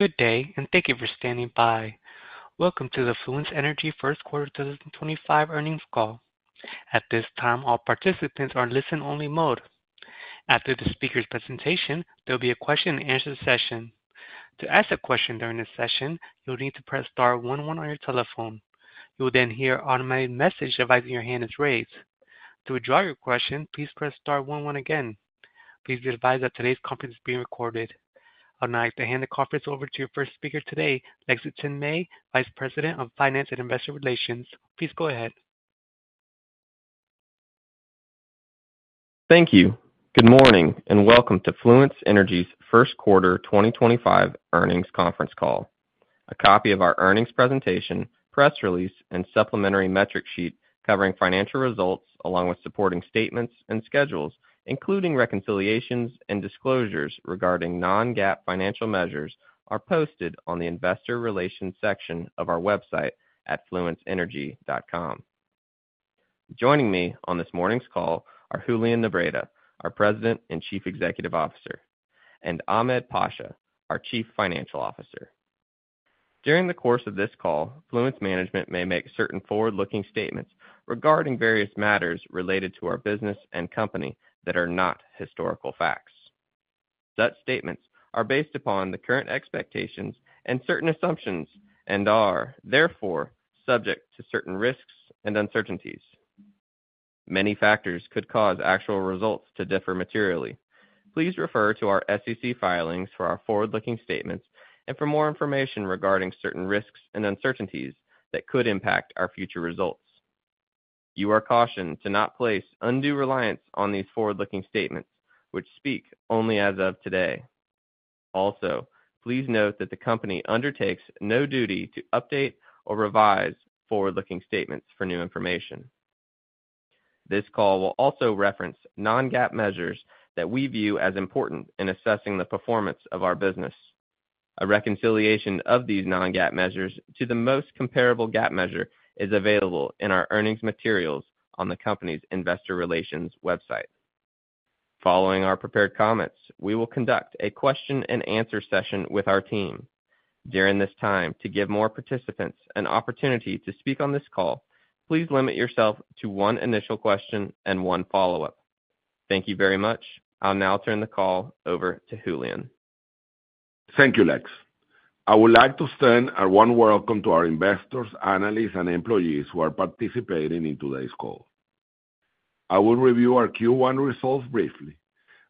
Good day, and thank you for standing by. Welcome to the Fluence Energy First Quarter 2025 Earnings Call. At this time, all participants are in listen-only mode. After the speaker's presentation, there will be a question-and-answer session. To ask a question during this session, you'll need to press star one one on your telephone. You will then hear an automated message advising your hand is raised. To withdraw your question, please press star one one again. Please be advised that today's conference is being recorded. I would now like to hand the conference over to your first speaker today, Lexington May, Vice President of Finance and Investor Relations. Please go ahead. Thank you. Good morning, and welcome to Fluence Energy's First Quarter 2025 Earnings Conference Call. A copy of our earnings presentation, press release, and supplementary metric sheet covering financial results, along with supporting statements and schedules, including reconciliations and disclosures regarding non-GAAP financial measures, are posted on the investor relations section of our website at fluenceenergy.com. Joining me on this morning's call are Julian Nebreda, our President and Chief Executive Officer, and Ahmed Pasha, our Chief Financial Officer. During the course of this call, Fluence Management may make certain forward-looking statements regarding various matters related to our business and company that are not historical facts. Such statements are based upon the current expectations and certain assumptions and are, therefore, subject to certain risks and uncertainties. Many factors could cause actual results to differ materially. Please refer to our SEC filings for our forward-looking statements and for more information regarding certain risks and uncertainties that could impact our future results. You are cautioned to not place undue reliance on these forward-looking statements, which speak only as of today. Also, please note that the company undertakes no duty to update or revise forward-looking statements for new information. This call will also reference non-GAAP measures that we view as important in assessing the performance of our business. A reconciliation of these non-GAAP measures to the most comparable GAAP measure is available in our earnings materials on the company's investor relations website. Following our prepared comments, we will conduct a question-and-answer session with our team. During this time, to give more participants an opportunity to speak on this call, please limit yourself to one initial question and one follow-up. Thank you very much. I'll now turn the call over to Julian. Thank you, Lex. I would like to extend a warm welcome to our investors, analysts, and employees who are participating in today's call. I will review our Q1 results briefly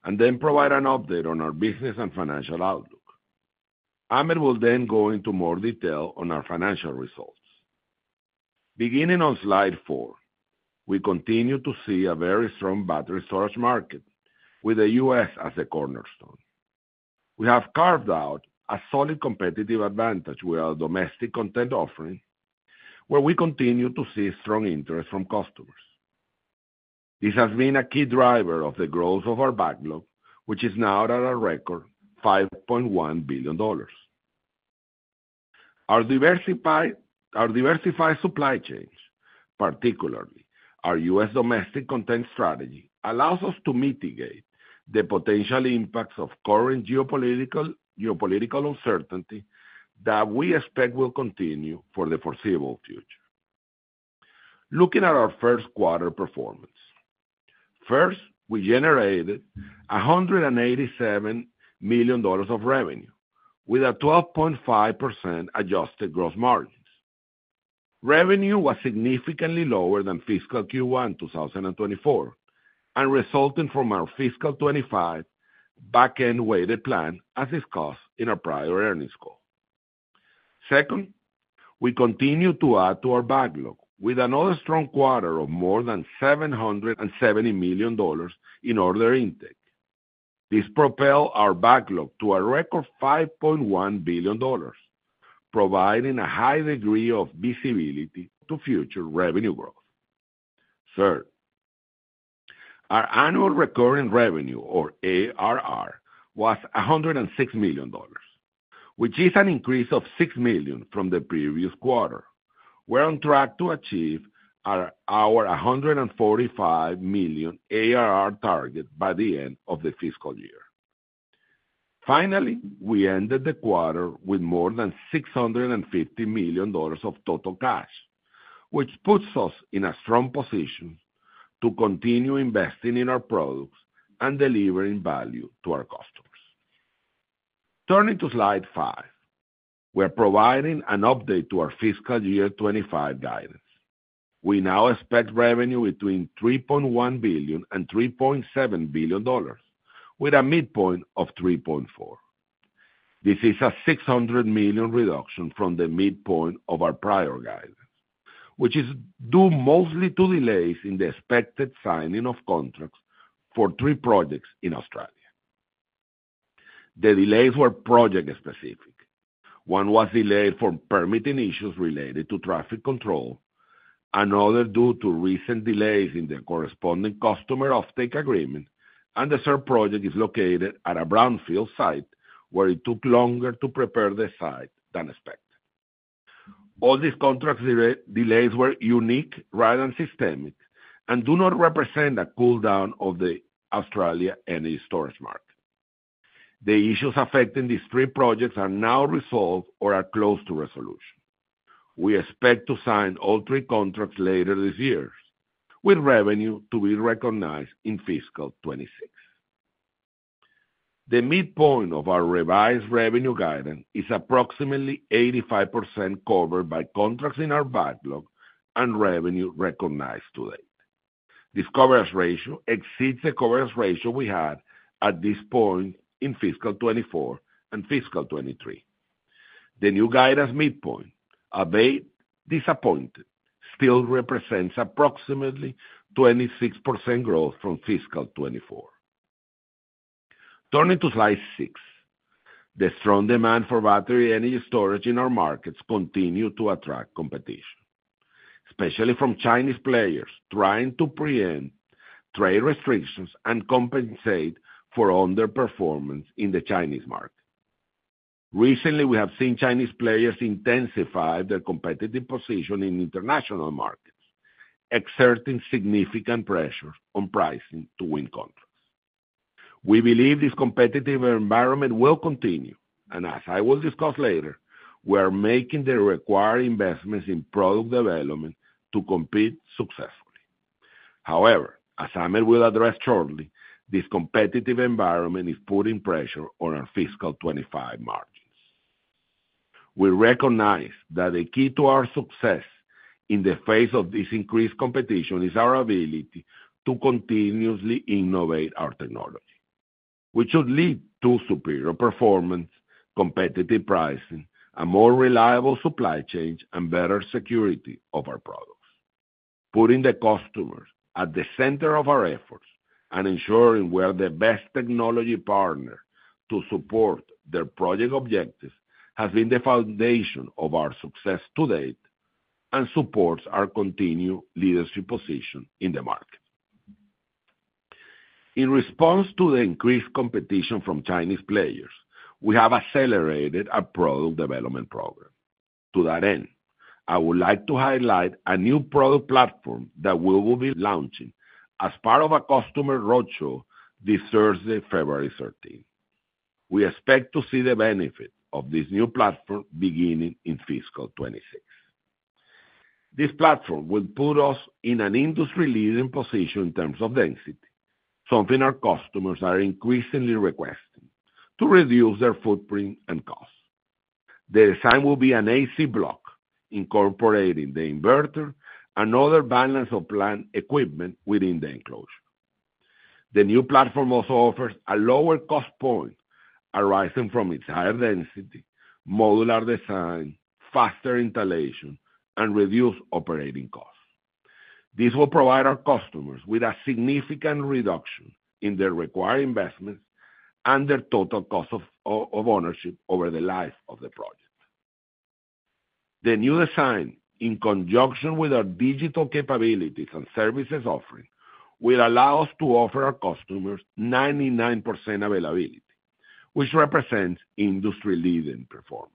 and then provide an update on our business and financial outlook. Ahmed will then go into more detail on our financial results. Beginning on slide four, we continue to see a very strong battery storage market, with the U.S. as the cornerstone. We have carved out a solid competitive advantage with our domestic content offering, where we continue to see strong interest from customers. This has been a key driver of the growth of our backlog, which is now at a record $5.1 billion. Our diversified supply chains, particularly our U.S. domestic content strategy, allow us to mitigate the potential impacts of current geopolitical uncertainty that we expect will continue for the foreseeable future. Looking at our first quarter performance, first, we generated $187 million of revenue, with a 12.5% Adjusted Gross Margin. Revenue was significantly lower than fiscal Q1 2024, resulting from our fiscal 2025 back-end weighted plan, as discussed in our prior earnings call. Second, we continue to add to our backlog with another strong quarter of more than $770 million in order intake. This propelled our backlog to a record $5.1 billion, providing a high degree of visibility to future revenue growth. Third, our Annual Recurring Revenue, or ARR, was $106 million, which is an increase of $6 million from the previous quarter. We're on track to achieve our $145 million ARR target by the end of the fiscal year. Finally, we ended the quarter with more than $650 million of total cash, which puts us in a strong position to continue investing in our products and delivering value to our customers. Turning to slide five, we're providing an update to our fiscal year 2025 guidance. We now expect revenue between $3.1 billion and $3.7 billion, with a midpoint of $3.4. This is a $600 million reduction from the midpoint of our prior guidance, which is due mostly to delays in the expected signing of contracts for three projects in Australia. The delays were project-specific. One was delayed for permitting issues related to traffic control. Another due to recent delays in the corresponding customer offtake agreement, and the third project is located at a brownfield site where it took longer to prepare the site than expected. All these contract delays were unique, rather than systemic, and do not represent a cooldown of the Australia energy storage market. The issues affecting these three projects are now resolved or are close to resolution. We expect to sign all three contracts later this year, with revenue to be recognized in fiscal 2026. The midpoint of our revised revenue guidance is approximately 85% covered by contracts in our backlog and revenue recognized to date. This coverage ratio exceeds the coverage ratio we had at this point in fiscal 2024 and fiscal 2023. The new guidance midpoint, a bit disappointing, still represents approximately 26% growth from fiscal 2024. Turning to slide six, the strong demand for battery energy storage in our markets continues to attract competition, especially from Chinese players trying to preempt trade restrictions and compensate for underperformance in the Chinese market. Recently, we have seen Chinese players intensify their competitive position in international markets, exerting significant pressure on pricing to win contracts. We believe this competitive environment will continue, and as I will discuss later, we are making the required investments in product development to compete successfully. However, as Ahmed will address shortly, this competitive environment is putting pressure on our fiscal 2025 margins. We recognize that the key to our success in the face of this increased competition is our ability to continuously innovate our technology, which should lead to superior performance, competitive pricing, a more reliable supply chain, and better security of our products. Putting the customers at the center of our efforts and ensuring we are the best technology partner to support their project objectives has been the foundation of our success to date and supports our continued leadership position in the market. In response to the increased competition from Chinese players, we have accelerated our product development program. To that end, I would like to highlight a new product platform that we will be launching as part of a customer roadshow this Thursday, February 13. We expect to see the benefits of this new platform beginning in fiscal 2026. This platform will put us in an industry-leading position in terms of density, something our customers are increasingly requesting to reduce their footprint and cost. The design will be an AC block, incorporating the inverter and other balance-of-plant equipment within the enclosure. The new platform also offers a lower cost point, arising from its higher density, modular design, faster installation, and reduced operating costs. This will provide our customers with a significant reduction in their required investments and their total cost of ownership over the life of the project. The new design, in conjunction with our digital capabilities and services offering, will allow us to offer our customers 99% availability, which represents industry-leading performance.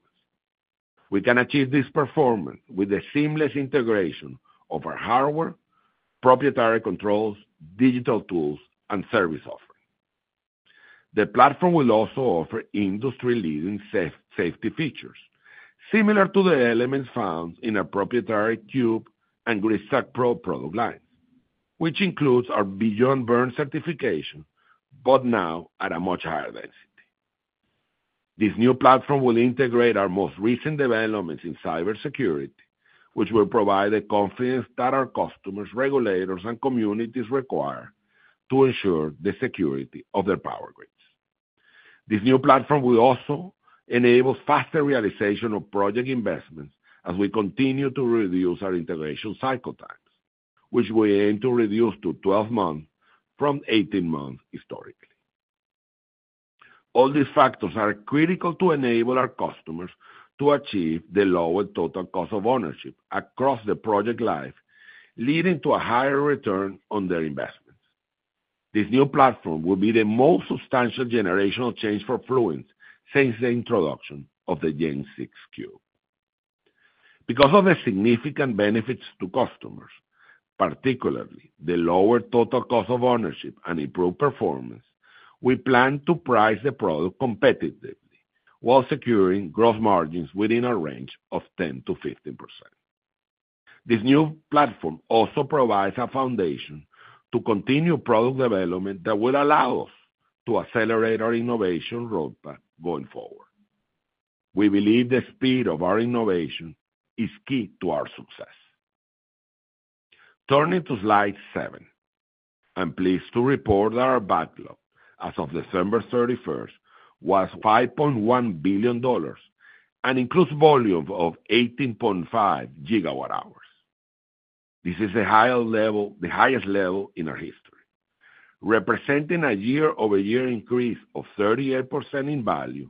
We can achieve this performance with the seamless integration of our hardware, proprietary controls, digital tools, and service offering. The platform will also offer industry-leading safety features, similar to the elements found in our proprietary Cube and Gridstack Pro product lines, which includes our unit-level burn certification, but now at a much higher density. This new platform will integrate our most recent developments in cybersecurity, which will provide the confidence that our customers, regulators, and communities require to ensure the security of their power grids. This new platform will also enable faster realization of project investments as we continue to reduce our integration cycle times, which we aim to reduce to 12 months from 18 months historically. All these factors are critical to enable our customers to achieve the lower total cost of ownership across the project life, leading to a higher return on their investments. This new platform will be the most substantial generational change for Fluence since the introduction of the Gen 6 Cube. Because of the significant benefits to customers, particularly the lower total cost of ownership and improved performance, we plan to price the product competitively while securing gross margins within a range of 10%-15%. This new platform also provides a foundation to continue product development that will allow us to accelerate our innovation roadmap going forward. We believe the speed of our innovation is key to our success. Turning to slide seven, I'm pleased to report that our backlog, as of December 31st, was $5.1 billion and includes a volume of 18.5GWh. This is the highest level in our history, representing a year-over-year increase of 38% in value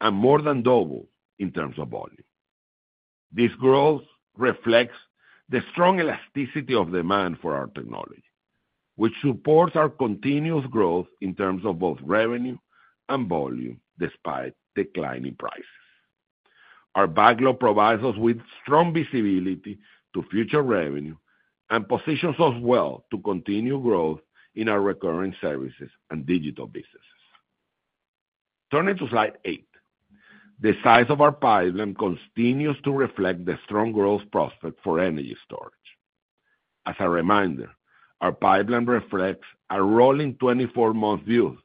and more than double in terms of volume. This growth reflects the strong elasticity of demand for our technology, which supports our continuous growth in terms of both revenue and volume despite declining prices. Our backlog provides us with strong visibility to future revenue and positions us well to continue growth in our recurring services and digital businesses. Turning to slide eight, the size of our pipeline continues to reflect the strong growth prospect for energy storage. As a reminder, our pipeline reflects our rolling 24-month views,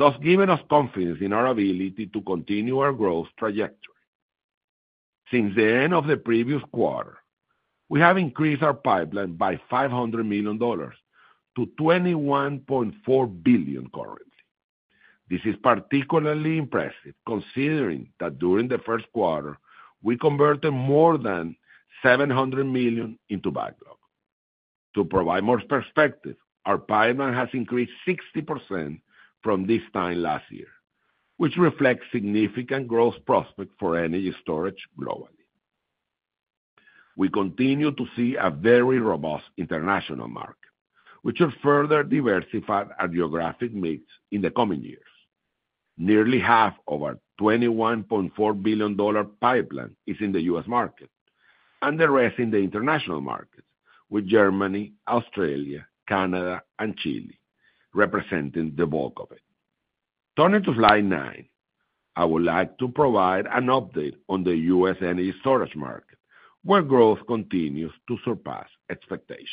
thus giving us confidence in our ability to continue our growth trajectory. Since the end of the previous quarter, we have increased our pipeline by $500 million to $21.4 billion currently. This is particularly impressive considering that during the first quarter, we converted more than $700 million into backlog. To provide more perspective, our pipeline has increased 60% from this time last year, which reflects significant growth prospects for energy storage globally. We continue to see a very robust international market, which should further diversify our geographic mix in the coming years. Nearly half of our $21.4 billion pipeline is in the U.S. market, and the rest in the international market, with Germany, Australia, Canada, and Chile representing the bulk of it. Turning to slide nine, I would like to provide an update on the U.S. energy storage market, where growth continues to surpass expectations.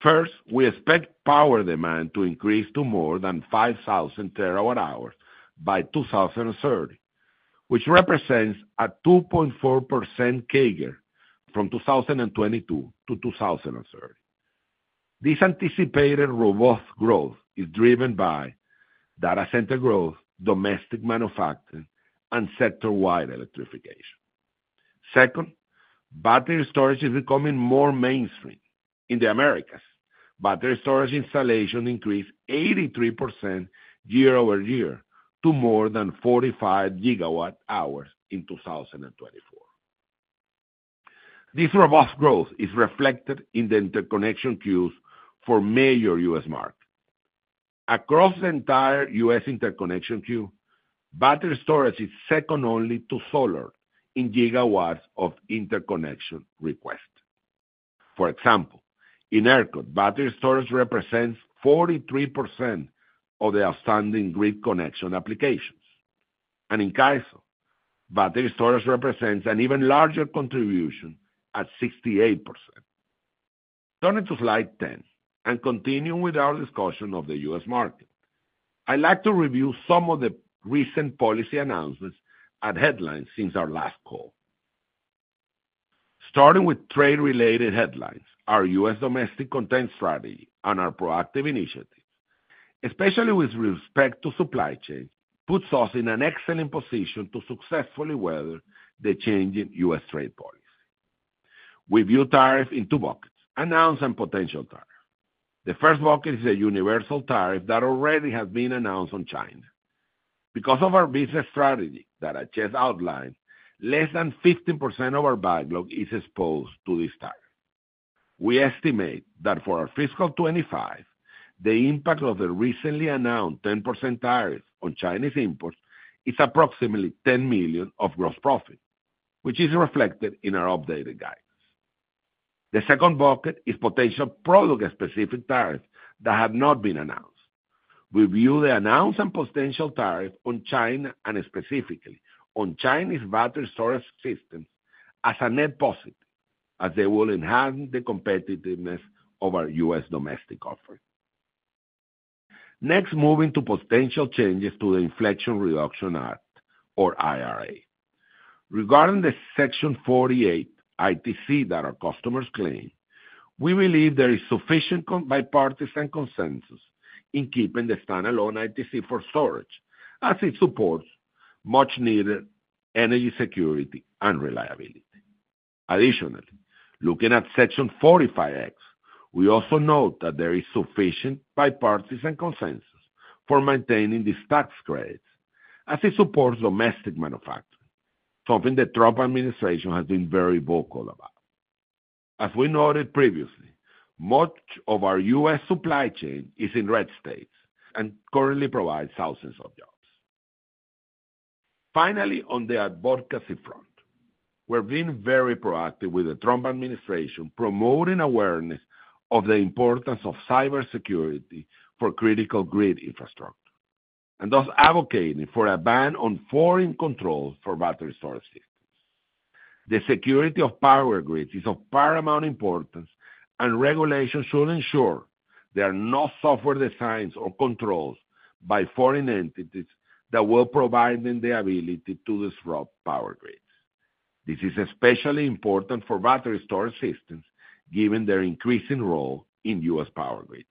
First, we expect power demand to increase to more than 5,000TWh by 2030, which represents a 2.4% CAGR from 2022 to 2030. This anticipated robust growth is driven by data center growth, domestic manufacturing, and sector-wide electrification. Second, battery storage is becoming more mainstream. In the Americas, battery storage installation increased 83% year-over-year to more than 45GWh in 2024. This robust growth is reflected in the interconnection queues for major U.S. markets. Across the entire U.S. interconnection queue, battery storage is second only to solar in gigawatts of interconnection request. For example, in ERCOT, battery storage represents 43% of the outstanding grid connection applications. And in CAISO, battery storage represents an even larger contribution at 68%. Turning to slide 10 and continuing with our discussion of the U.S. market, I'd like to review some of the recent policy announcements and headlines since our last call. Starting with trade-related headlines, our U.S. domestic content strategy and our proactive initiatives, especially with respect to supply chain, puts us in an excellent position to successfully weather the changing U.S. trade policy. We view tariffs in two buckets: announced and potential tariffs. The first bucket is a universal tariff that already has been announced on China. Because of our business strategy that I just outlined, less than 15% of our backlog is exposed to this tariff. We estimate that for our fiscal 2025, the impact of the recently announced 10% tariff on Chinese imports is approximately $10 million of gross profit, which is reflected in our updated guidance. The second bucket is potential product-specific tariffs that have not been announced. We view the announced and potential tariffs on China and specifically on Chinese battery storage systems as a net positive, as they will enhance the competitiveness of our U.S. domestic offering. Next, moving to potential changes to the Inflation Reduction Act, or IRA. Regarding the Section 48 ITC that our customers claim, we believe there is sufficient bipartisan consensus in keeping the standalone ITC for storage, as it supports much-needed energy security and reliability. Additionally, looking at Section 45X, we also note that there is sufficient bipartisan consensus for maintaining these tax credits, as it supports domestic manufacturing, something the Trump administration has been very vocal about. As we noted previously, much of our U.S. supply chain is in red states and currently provides thousands of jobs. Finally, on the advocacy front, we've been very proactive with the Trump administration promoting awareness of the importance of cybersecurity for critical grid infrastructure and thus advocating for a ban on foreign control for battery storage systems. The security of power grids is of paramount importance, and regulations should ensure there are no software designs or controls by foreign entities that will provide them the ability to disrupt power grids. This is especially important for battery storage systems, given their increasing role in U.S. power grids.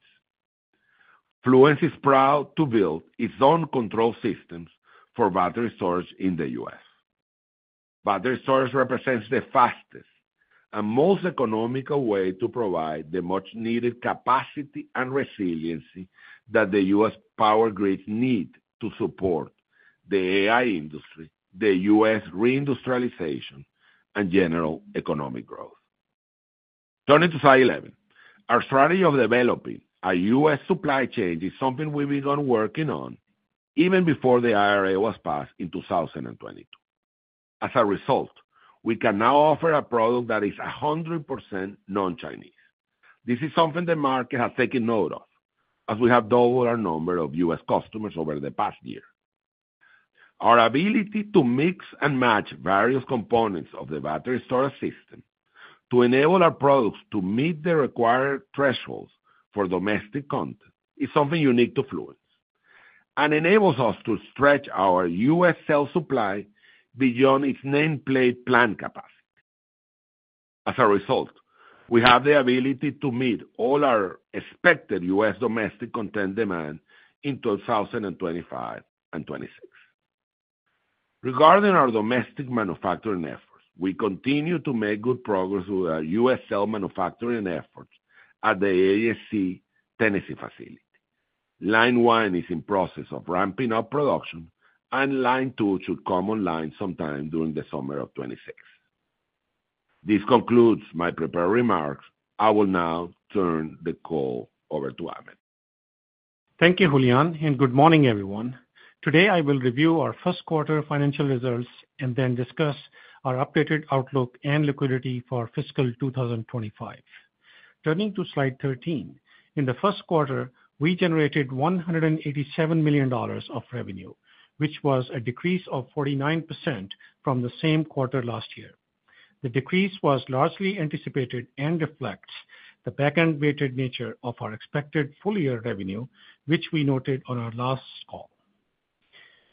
Fluence is proud to build its own control systems for battery storage in the U.S. Battery storage represents the fastest and most economical way to provide the much-needed capacity and resiliency that the U.S. power grids need to support the AI industry, the U.S. reindustrialization, and general economic growth. Turning to slide 11, our strategy of developing a U.S. supply chain is something we've been working on even before the IRA was passed in 2022. As a result, we can now offer a product that is 100% non-Chinese. This is something the market has taken note of, as we have doubled our number of U.S. customers over the past year. Our ability to mix and match various components of the battery storage system to enable our products to meet the required thresholds for domestic content is something unique to Fluence and enables us to stretch our U.S. cell supply beyond its nameplate plant capacity. As a result, we have the ability to meet all our expected U.S. domestic content demand in 2025 and 2026. Regarding our domestic manufacturing efforts, we continue to make good progress with our U.S. cell manufacturing efforts at the AESC Tennessee facility. Line one is in the process of ramping up production, and line two should come online sometime during the summer of 2026. This concludes my prepared remarks. I will now turn the call over to Ahmed. Thank you, Julian, and good morning, everyone. Today, I will review our first quarter financial results and then discuss our updated outlook and liquidity for fiscal 2025. Turning to slide 13, in the first quarter, we generated $187 million of revenue, which was a decrease of 49% from the same quarter last year. The decrease was largely anticipated and reflects the back-end-weighted nature of our expected full-year revenue, which we noted on our last call.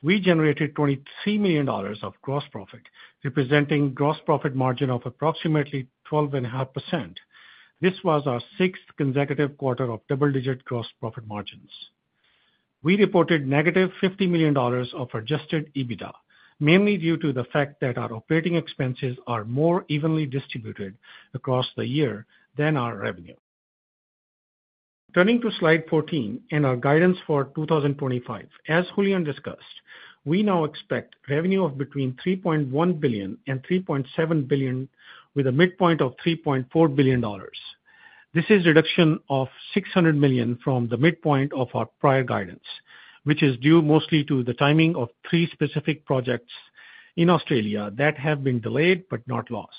We generated $23 million of gross profit, representing a gross profit margin of approximately 12.5%. This was our sixth consecutive quarter of double-digit gross profit margins. We reported negative $50 million of Adjusted EBITDA, mainly due to the fact that our operating expenses are more evenly distributed across the year than our revenue. Turning to slide 14 and our guidance for 2025, as Julian discussed, we now expect revenue of between $3.1 billion and $3.7 billion, with a midpoint of $3.4 billion. This is a reduction of $600 million from the midpoint of our prior guidance, which is due mostly to the timing of three specific projects in Australia that have been delayed but not lost.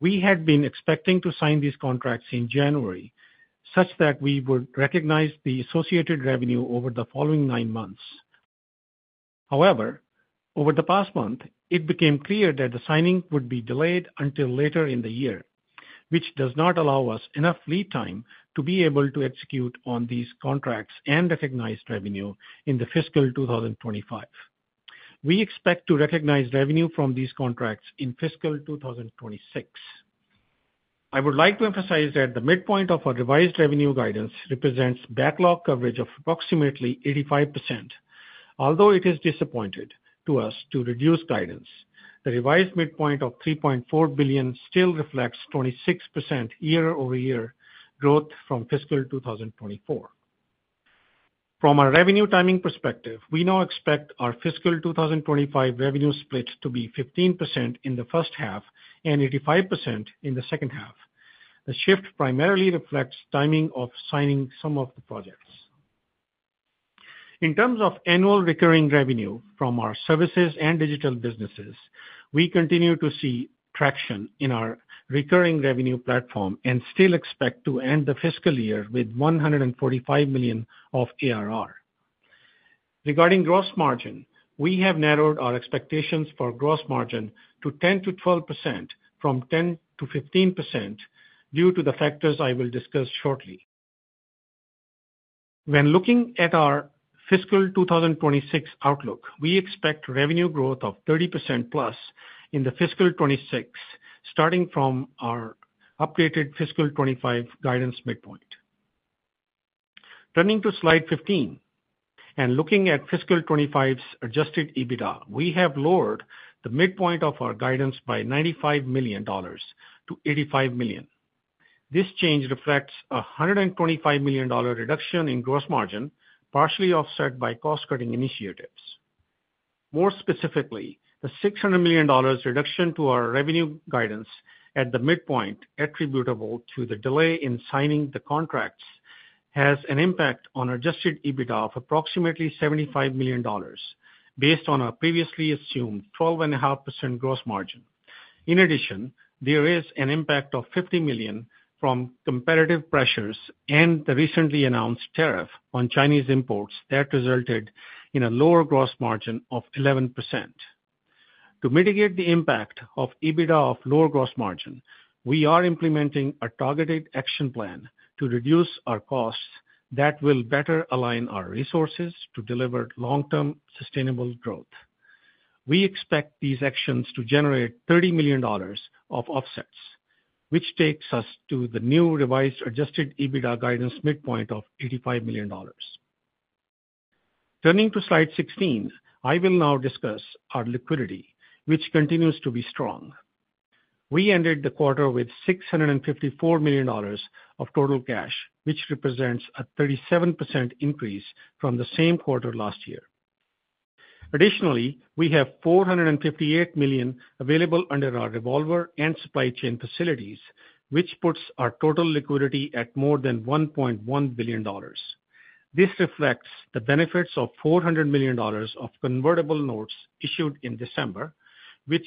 We had been expecting to sign these contracts in January such that we would recognize the associated revenue over the following nine months. However, over the past month, it became clear that the signing would be delayed until later in the year, which does not allow us enough lead time to be able to execute on these contracts and recognize revenue in the fiscal 2025. We expect to recognize revenue from these contracts in fiscal 2026. I would like to emphasize that the midpoint of our revised revenue guidance represents backlog coverage of approximately 85%.Although it is disappointing to us to reduce guidance, the revised midpoint of $3.4 billion still reflects 26% year-over-year growth from fiscal 2024. From a revenue timing perspective, we now expect our fiscal 2025 revenue split to be 15% in the first half and 85% in the second half. The shift primarily reflects the timing of signing some of the projects. In terms of annual recurring revenue from our services and digital businesses, we continue to see traction in our recurring revenue platform and still expect to end the fiscal year with $145 million of ARR. Regarding gross margin, we have narrowed our expectations for gross margin to 10%-12% from 10%-15% due to the factors I will discuss shortly. When looking at our fiscal 2026 outlook, we expect revenue growth of 30%+ in the fiscal 2026, starting from our updated fiscal 2025 guidance midpoint. Turning to slide 15 and looking at fiscal 2025's Adjusted EBITDA, we have lowered the midpoint of our guidance by $95 million to $85 million. This change reflects a $125 million reduction in gross margin, partially offset by cost-cutting initiatives. More specifically, the $600 million reduction to our revenue guidance at the midpoint, attributable to the delay in signing the contracts, has an impact on Adjusted EBITDA of approximately $75 million, based on our previously assumed 12.5% gross margin. In addition, there is an impact of $50 million from competitive pressures and the recently announced tariff on Chinese imports that resulted in a lower gross margin of 11%. To mitigate the impact of EBITDA of lower gross margin, we are implementing a targeted action plan to reduce our costs that will better align our resources to deliver long-term sustainable growth. We expect these actions to generate $30 million of offsets, which takes us to the new revised Adjusted EBITDA guidance midpoint of $85 million. Turning to slide 16, I will now discuss our liquidity, which continues to be strong. We ended the quarter with $654 million of total cash, which represents a 37% increase from the same quarter last year. Additionally, we have $458 million available under our revolver and supply chain facilities, which puts our total liquidity at more than $1.1 billion. This reflects the benefits of $400 million of convertible notes issued in December, which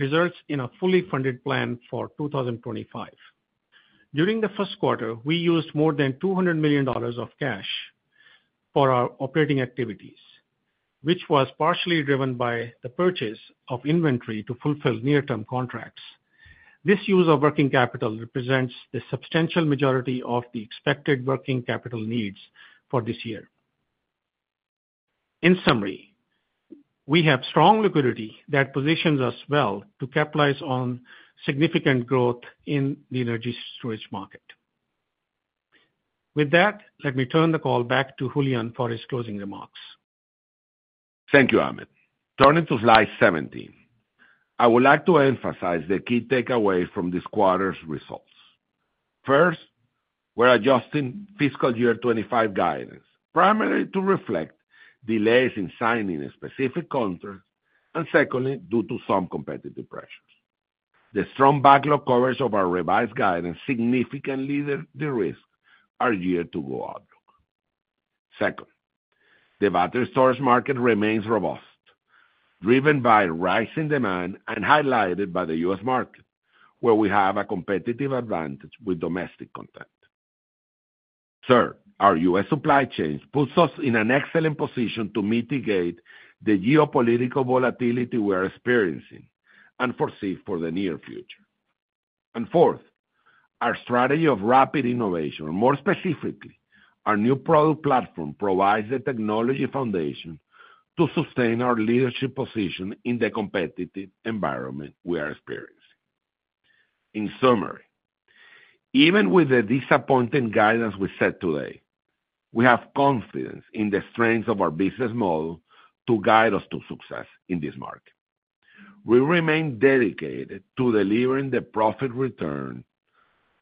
results in a fully funded plan for 2025. During the first quarter, we used more than $200 million of cash for our operating activities, which was partially driven by the purchase of inventory to fulfill near-term contracts. This use of working capital represents the substantial majority of the expected working capital needs for this year. In summary, we have strong liquidity that positions us well to capitalize on significant growth in the energy storage market. With that, let me turn the call back to Julian for his closing remarks. Thank you, Ahmed. Turning to slide 17, I would like to emphasize the key takeaways from this quarter's results. First, we're adjusting fiscal year 2025 guidance primarily to reflect delays in signing specific contracts and, secondly, due to some competitive pressures. The strong backlog coverage of our revised guidance significantly lowers the risk of our year-to-go outlook. Second, the battery storage market remains robust, driven by rising demand and highlighted by the U.S. market, where we have a competitive advantage with domestic content. Third, our U.S. supply chains put us in an excellent position to mitigate the geopolitical volatility we're experiencing and foresee for the near future. And fourth, our strategy of rapid innovation, or more specifically, our new product platform provides the technology foundation to sustain our leadership position in the competitive environment we are experiencing. In summary, even with the disappointing guidance we set today, we have confidence in the strength of our business model to guide us to success in this market. We remain dedicated to delivering the profit return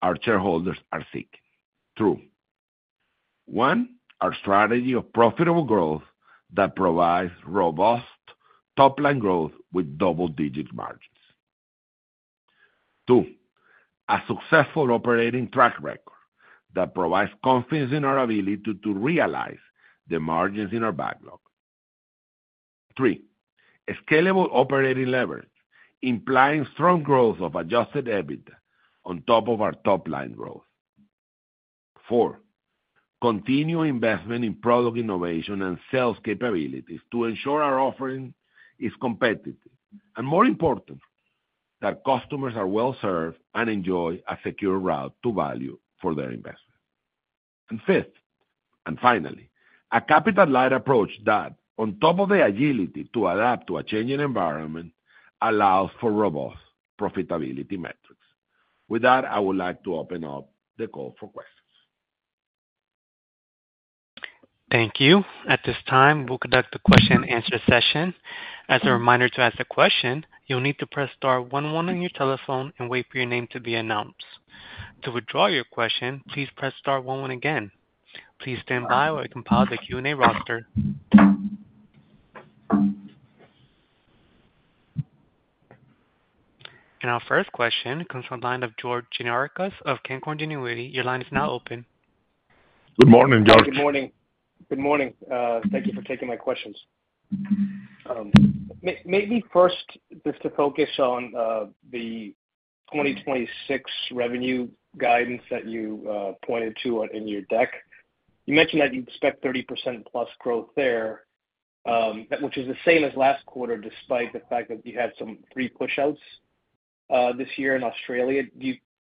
our shareholders are seeking. True. One, our strategy of profitable growth that provides robust top-line growth with double-digit margins. Two, a successful operating track record that provides confidence in our ability to realize the margins in our backlog. Three, scalable operating leverage, implying strong growth of Adjusted EBITDA on top of our top-line growth. Four, continued investment in product innovation and sales capabilities to ensure our offering is competitive. And more important, that customers are well-served and enjoy a secure route to value for their investment. And fifth, and finally, a capital-light approach that, on top of the agility to adapt to a changing environment, allows for robust profitability metrics. With that, I would like to open up the call for questions. Thank you. At this time, we'll conduct the question-and-answer session. As a reminder to ask a question, you'll need to press star one one on your telephone and wait for your name to be announced. To withdraw your question, please press star one one again. Please stand by while we compile the Q&A roster. And our first question comes from the line of George Gianarikas of Canaccord Genuity. Your line is now open. Good morning, George. Good morning. Good morning. Thank you for taking my questions. Maybe first, just to focus on the 2026 revenue guidance that you pointed to in your deck. You mentioned that you expect 30%+ growth there, which is the same as last quarter, despite the fact that you had some three push-outs this year in Australia.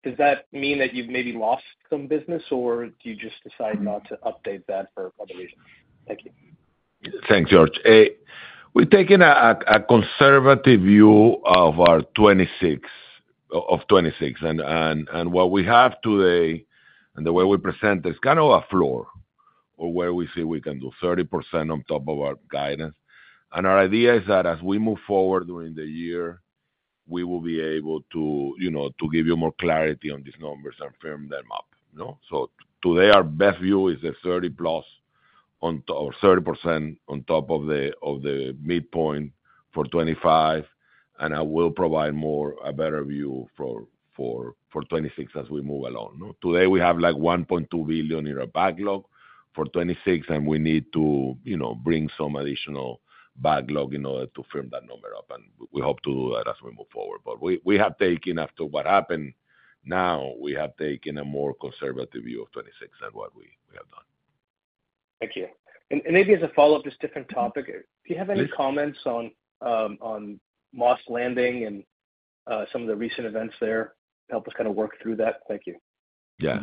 Does that mean that you've maybe lost some business, or do you just decide not to update that for other reasons? Thank you. Thanks, George. We're taking a conservative view of our 2026 and what we have today and the way we present it is kind of a floor or where we see we can do 30% on top of our guidance. Our idea is that as we move forward during the year, we will be able to give you more clarity on these numbers and firm them up. Today, our best view is the 30%+ or 30% on top of the midpoint for 2025, and I will provide a better view for 2026 as we move along. Today, we have like $1.2 billion in our backlog for 2026, and we need to bring some additional backlog in order to firm that number up. And we hope to do that as we move forward. But we have taken, after what happened now, we have taken a more conservative view of 2026 than what we have done. Thank you. And maybe as a follow-up, this different topic, do you have any comments on Moss Landing and some of the recent events there to help us kind of work through that? Thank you. Yeah.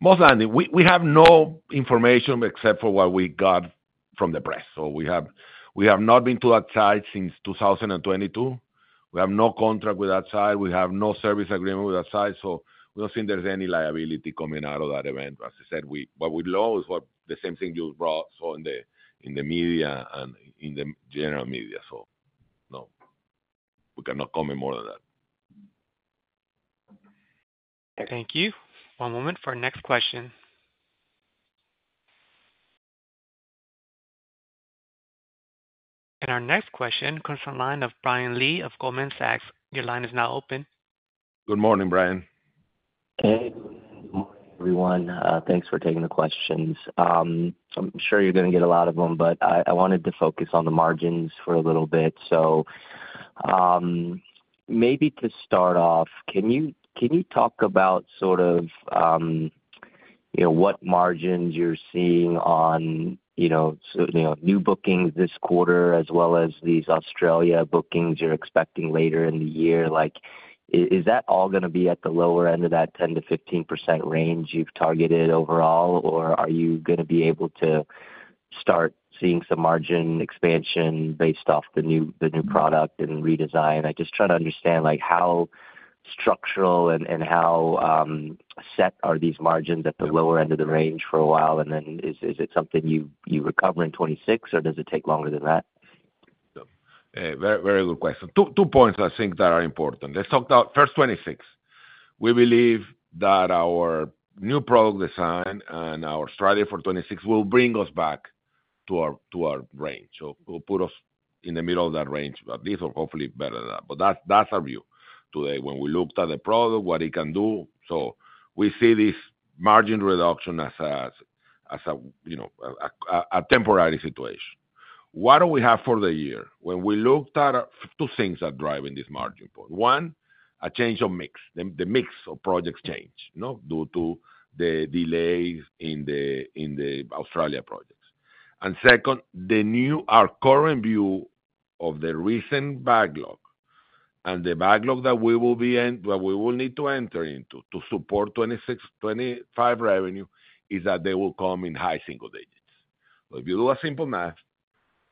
Moss Landing, we have no information except for what we got from the press. So we have not been to that site since 2022. We have no contract with that site. We have no service agreement with that site. So we don't see there's any liability coming out of that event. As I said, what we know is the same thing you browse on the media and in the general media. So no, we cannot comment more than that. Thank you. One moment for our next question, and our next question comes from the line of Brian Lee of Goldman Sachs. Your line is now open. Good morning, Brian. Hey. Good morning, everyone. Thanks for taking the questions. I'm sure you're going to get a lot of them, but I wanted to focus on the margins for a little bit. So maybe to start off, can you talk about sort of what margins you're seeing on new bookings this quarter as well as these Australia bookings you're expecting later in the year? Is that all going to be at the lower end of that 10%-15% range you've targeted overall, or are you going to be able to start seeing some margin expansion based off the new product and redesign? I just try to understand how structural and how set are these margins at the lower end of the range for a while, and then is it something you recover in 2026, or does it take longer than that? Very good question. Two points I think that are important. Let's talk about first 2026. We believe that our new product design and our strategy for 2026 will bring us back to our range. So it will put us in the middle of that range, at least, or hopefully better than that. But that's our view today when we looked at the product, what it can do. So we see this margin reduction as a temporary situation. What do we have for the year? When we looked at two things that drive this margin point. One, a change of mix. The mix of projects changed due to the delays in the Australia projects. Second, our current view of the recent backlog and the backlog that we will need to enter into to support 2025-2026 revenue is that they will come in high single digits. If you do a simple math,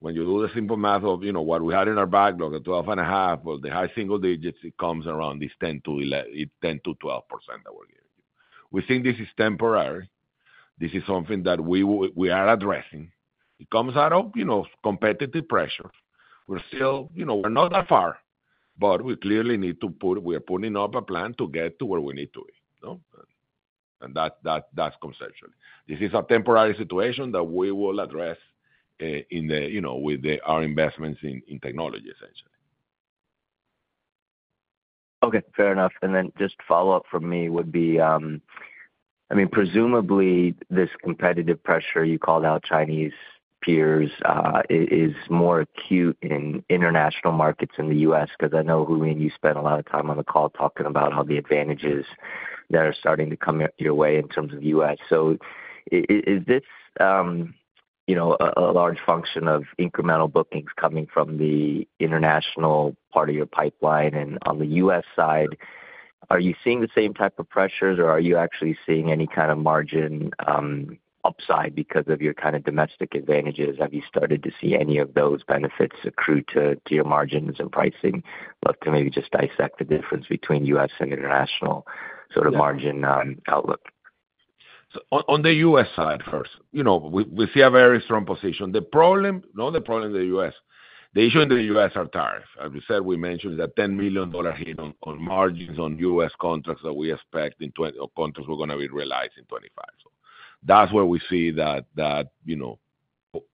when you do the simple math of what we had in our backlog at 12 1/2, well, the high single digits, it comes around these 10%-12% that we're giving you. We think this is temporary. This is something that we are addressing. It comes out of competitive pressure. We're not that far, but we are putting up a plan to get to where we need to be. That's conceptually. This is a temporary situation that we will address with our investments in technology, essentially. Okay. Fair enough. And then just a follow-up for me would be, I mean, presumably, this competitive pressure you called out, Chinese peers, is more acute in international markets than in the U.S. because I know Julian, you spent a lot of time on the call talking about how the advantages that are starting to come your way in terms of the U.S.. So is this a large function of incremental bookings coming from the international part of your pipeline? And on the U.S. side, are you seeing the same type of pressures, or are you actually seeing any kind of margin upside because of your kind of domestic advantages? Have you started to see any of those benefits accrue to your margins and pricing? Love to maybe just dissect the difference between U.S. and international sort of margin outlook. On the U.S. side first, we see a very strong position. The problem in the U.S., the issue in the U.S. are tariffs. As we said, we mentioned that $10 million hit on margins on U.S. contracts that we expect in 2024 or contracts we're going to be realizing 2025. So that's where we see that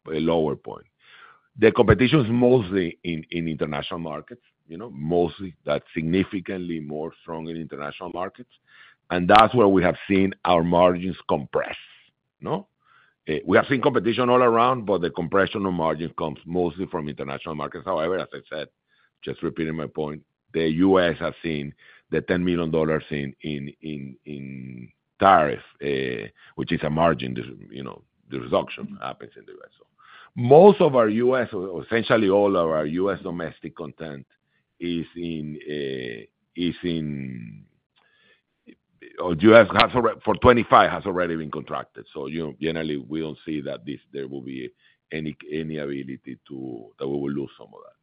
lower point. The competition is mostly in international markets, mostly that's significantly more strong in international markets. And that's where we have seen our margins compress. We have seen competition all around, but the compression of margins comes mostly from international markets. However, as I said, just repeating my point, the U.S. has seen the $10 million in tariff, which is a margin. The reduction happens in the U.S. So most of our U.S., essentially all of our U.S. domestic content is in U.S. for 2025 has already been contracted. So generally, we don't see that there will be any ability to that we will lose some of that.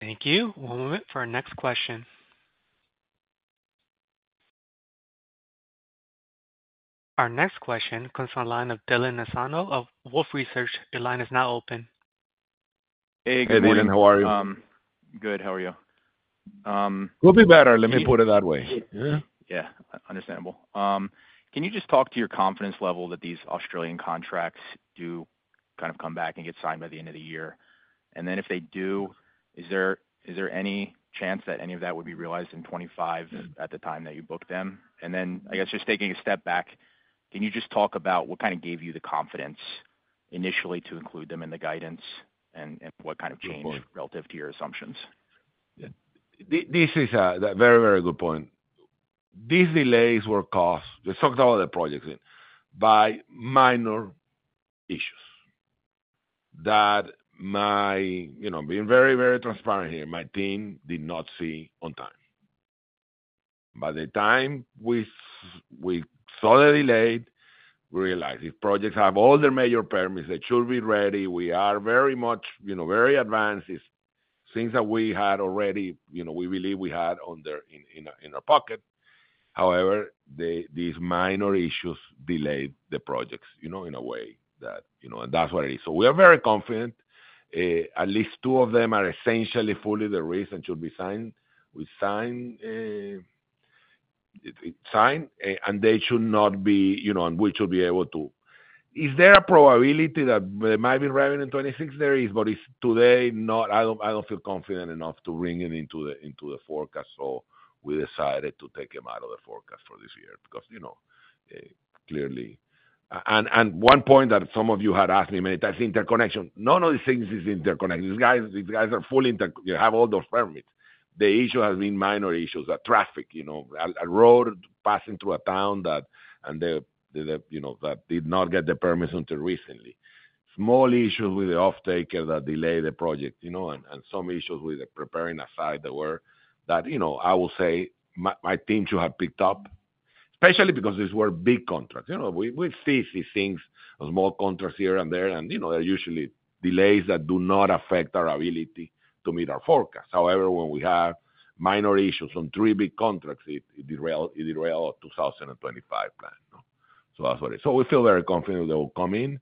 Thank you. One moment for our next question. Our next question comes from the line of Dylan Nassano of Wolfe Research. Your line is now open. Hey, Dylan. How are you? Good. How are you? We'll be better. Let me put it that way. Yeah. Understandable. Can you just talk to your confidence level that these Australian contracts do kind of come back and get signed by the end of the year? And then if they do, is there any chance that any of that would be realized in 2025 at the time that you book them? And then, I guess, just taking a step back, can you just talk about what kind of gave you the confidence initially to include them in the guidance and what kind of changed relative to your assumptions? This is a very, very good point. These delays were caused, let's talk about the projects, by minor issues that, being very, very transparent here, my team did not see on time. By the time we saw the delay, we realized these projects have all their major permits. They should be ready. We are very much very advanced. It's things that we had already. We believe we had in our pocket. However, these minor issues delayed the projects in a way that and that's what it is. So we are very confident. At least two of them are essentially fully de-risked and should be signed. We signed, and they should not be and we should be able to. Is there a probability that they might be ready in 2026? There is, but today, I don't feel confident enough to bring it into the forecast. So we decided to take them out of the forecast for this year because clearly, and one point that some of you had asked me many times, interconnection. None of these things is interconnected. These guys fully have all those permits. The issue has been minor issues, like traffic, a road passing through a town that did not get the permits until recently. Small issues with the offtaker that delayed the project and some issues with preparing a site that I will say my team should have picked up, especially because these were big contracts. We see these things, small contracts here and there, and they're usually delays that do not affect our ability to meet our forecast. However, when we have minor issues on three big contracts, it derailed our 2025 plan. So that's what it is. So we feel very confident that they will come in.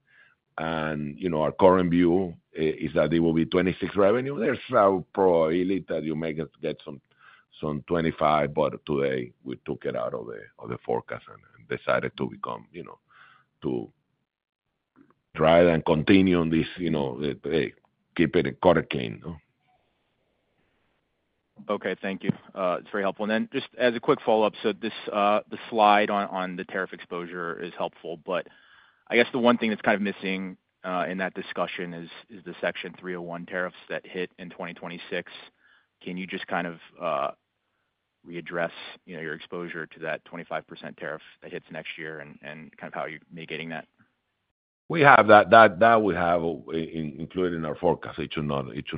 And our current view is that it will be 2026 revenue. There's a probability that you may get some 2025, but today, we took it out of the forecast and decided to try and continue on this, keep it in quarter clean. Okay. Thank you. It's very helpful. And then just as a quick follow-up, so the slide on the tariff exposure is helpful, but I guess the one thing that's kind of missing in that discussion is the Section 301 tariffs that hit in 2026. Can you just kind of readdress your exposure to that 25% tariff that hits next year and kind of how you're mitigating that? We have that. That we have included in our forecast. It should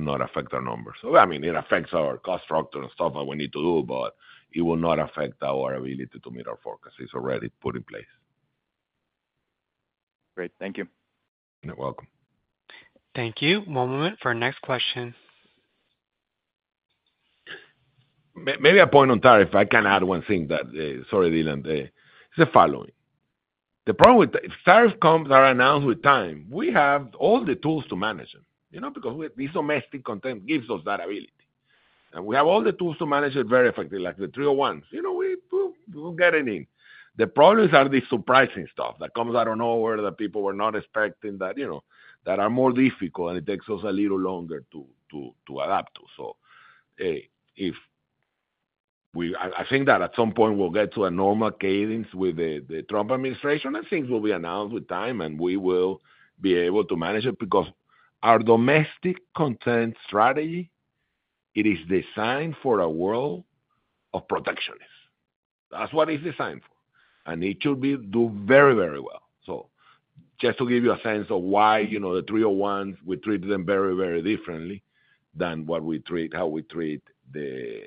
not affect our numbers. I mean, it affects our cost structure and stuff that we need to do, but it will not affect our ability to meet our forecast. It's already put in place. Great. Thank you. You're welcome. Thank you. One moment for our next question. Maybe a point on tariff. I can add one thing. Sorry, Dylan. It's the following. The problem with tariffs that are announced with time, we have all the tools to manage them because these domestic content gives us that ability. And we have all the tools to manage it very effectively, like the 301s. We'll get it in. The problems are the surprising stuff that comes out of nowhere that people were not expecting that are more difficult, and it takes us a little longer to adapt to. So I think that at some point, we'll get to a normal cadence with the Trump administration, and things will be announced with time, and we will be able to manage it because our domestic content strategy, it is designed for a world of protectionists. That's what it's designed for. And it should do very, very well. So just to give you a sense of why the 301s, we treat them very, very differently than how we treat the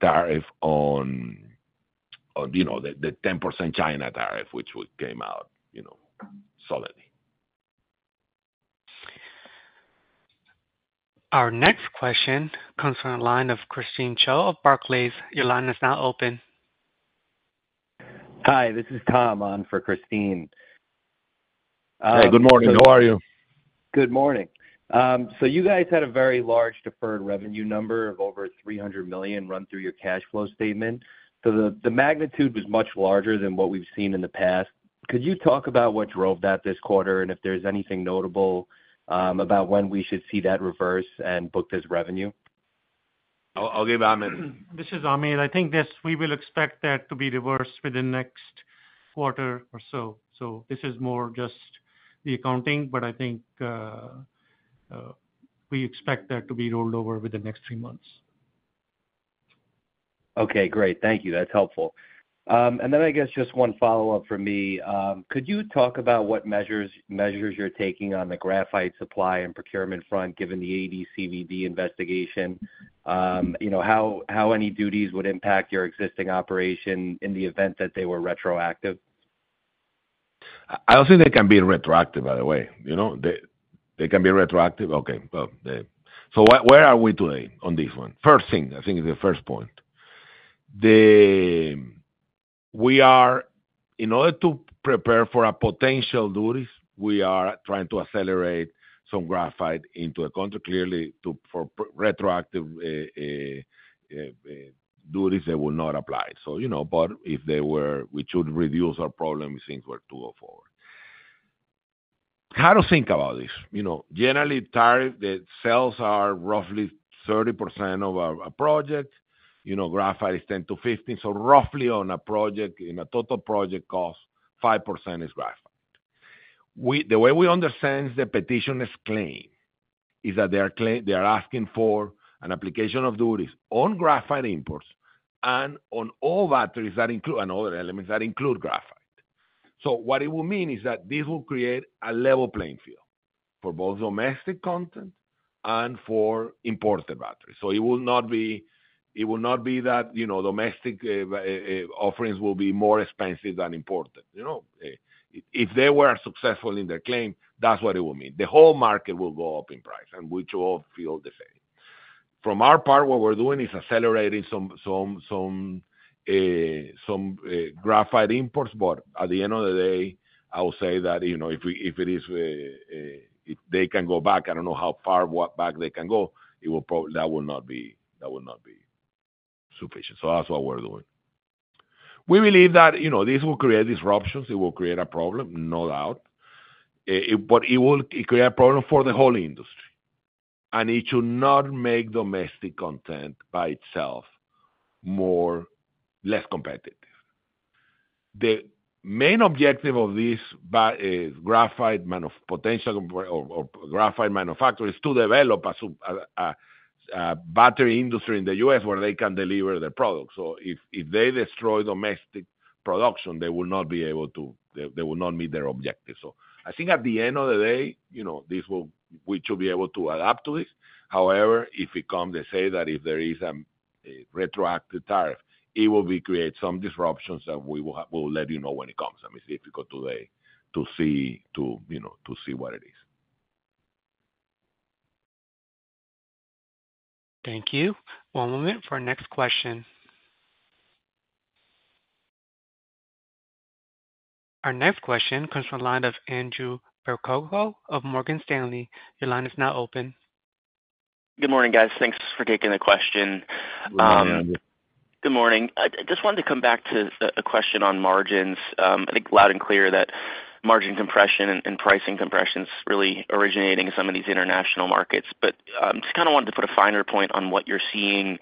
tariff on the 10% China tariff, which came out solidly. Our next question comes from the line of Christine Cho of Barclays. Your line is now open. Hi. This is Tom on for Christine. Hey. Good morning. How are you? Good morning, so you guys had a very large deferred revenue number of over $300 million run through your cash flow statement, so the magnitude was much larger than what we've seen in the past. Could you talk about what drove that this quarter and if there's anything notable about when we should see that reverse and book this revenue? I'll give you Ahmed. This is Ahmed. I think we will expect that to be reversed within the next quarter or so, so this is more just the accounting, but I think we expect that to be rolled over within the next three months. Okay. Great. Thank you. That's helpful, and then I guess just one follow-up from me. Could you talk about what measures you're taking on the graphite supply and procurement front given the AD/CVD investigation? How would any duties impact your existing operation in the event that they were retroactive? I don't think they can be retroactive, by the way. They can be retroactive. Okay. So where are we today on this one? First thing, I think is the first point. In order to prepare for potential duties, we are trying to accelerate some graphite into a contract, clearly for retroactive duties that will not apply. But if they were, we should reduce our problem if things were to go forward. How to think about this? Generally, tariffs are roughly 30% of a project. Graphite is 10%-15%. So roughly on a total project cost, 5% is graphite. The way we understand the petition's claim is that they are asking for an application of duties on graphite imports and on all batteries that include, and other elements that include, graphite. So what it will mean is that this will create a level playing field for both domestic content and for imported batteries. So it will not be that domestic offerings will be more expensive than imported. If they were successful in their claim, that's what it will mean. The whole market will go up in price, and we should all feel the same. From our part, what we're doing is accelerating some graphite imports. But at the end of the day, I will say that if it is, if they can go back, I don't know how far back they can go, that will not be sufficient. So that's what we're doing. We believe that this will create disruptions. It will create a problem, no doubt. But it will create a problem for the whole industry. And it should not make domestic content by itself less competitive. The main objective of these graphite manufacturers is to develop a battery industry in the U.S. where they can deliver their products. So if they destroy domestic production, they will not meet their objectives. So I think at the end of the day, we should be able to adapt to this. However, if it comes, let's say that if there is a retroactive tariff, it will create some disruptions that we will let you know when it comes. I mean, it's difficult today to see what it is. Thank you. One moment for our next question. Our next question comes from the line of Andrew Percoco of Morgan Stanley. Your line is now open. Good morning, guys. Thanks for taking the question. Good morning. Good morning. I just wanted to come back to a question on margins. I think loud and clear that margin compression and pricing compression is really originating in some of these international markets. But just kind of wanted to put a finer point on what you're seeing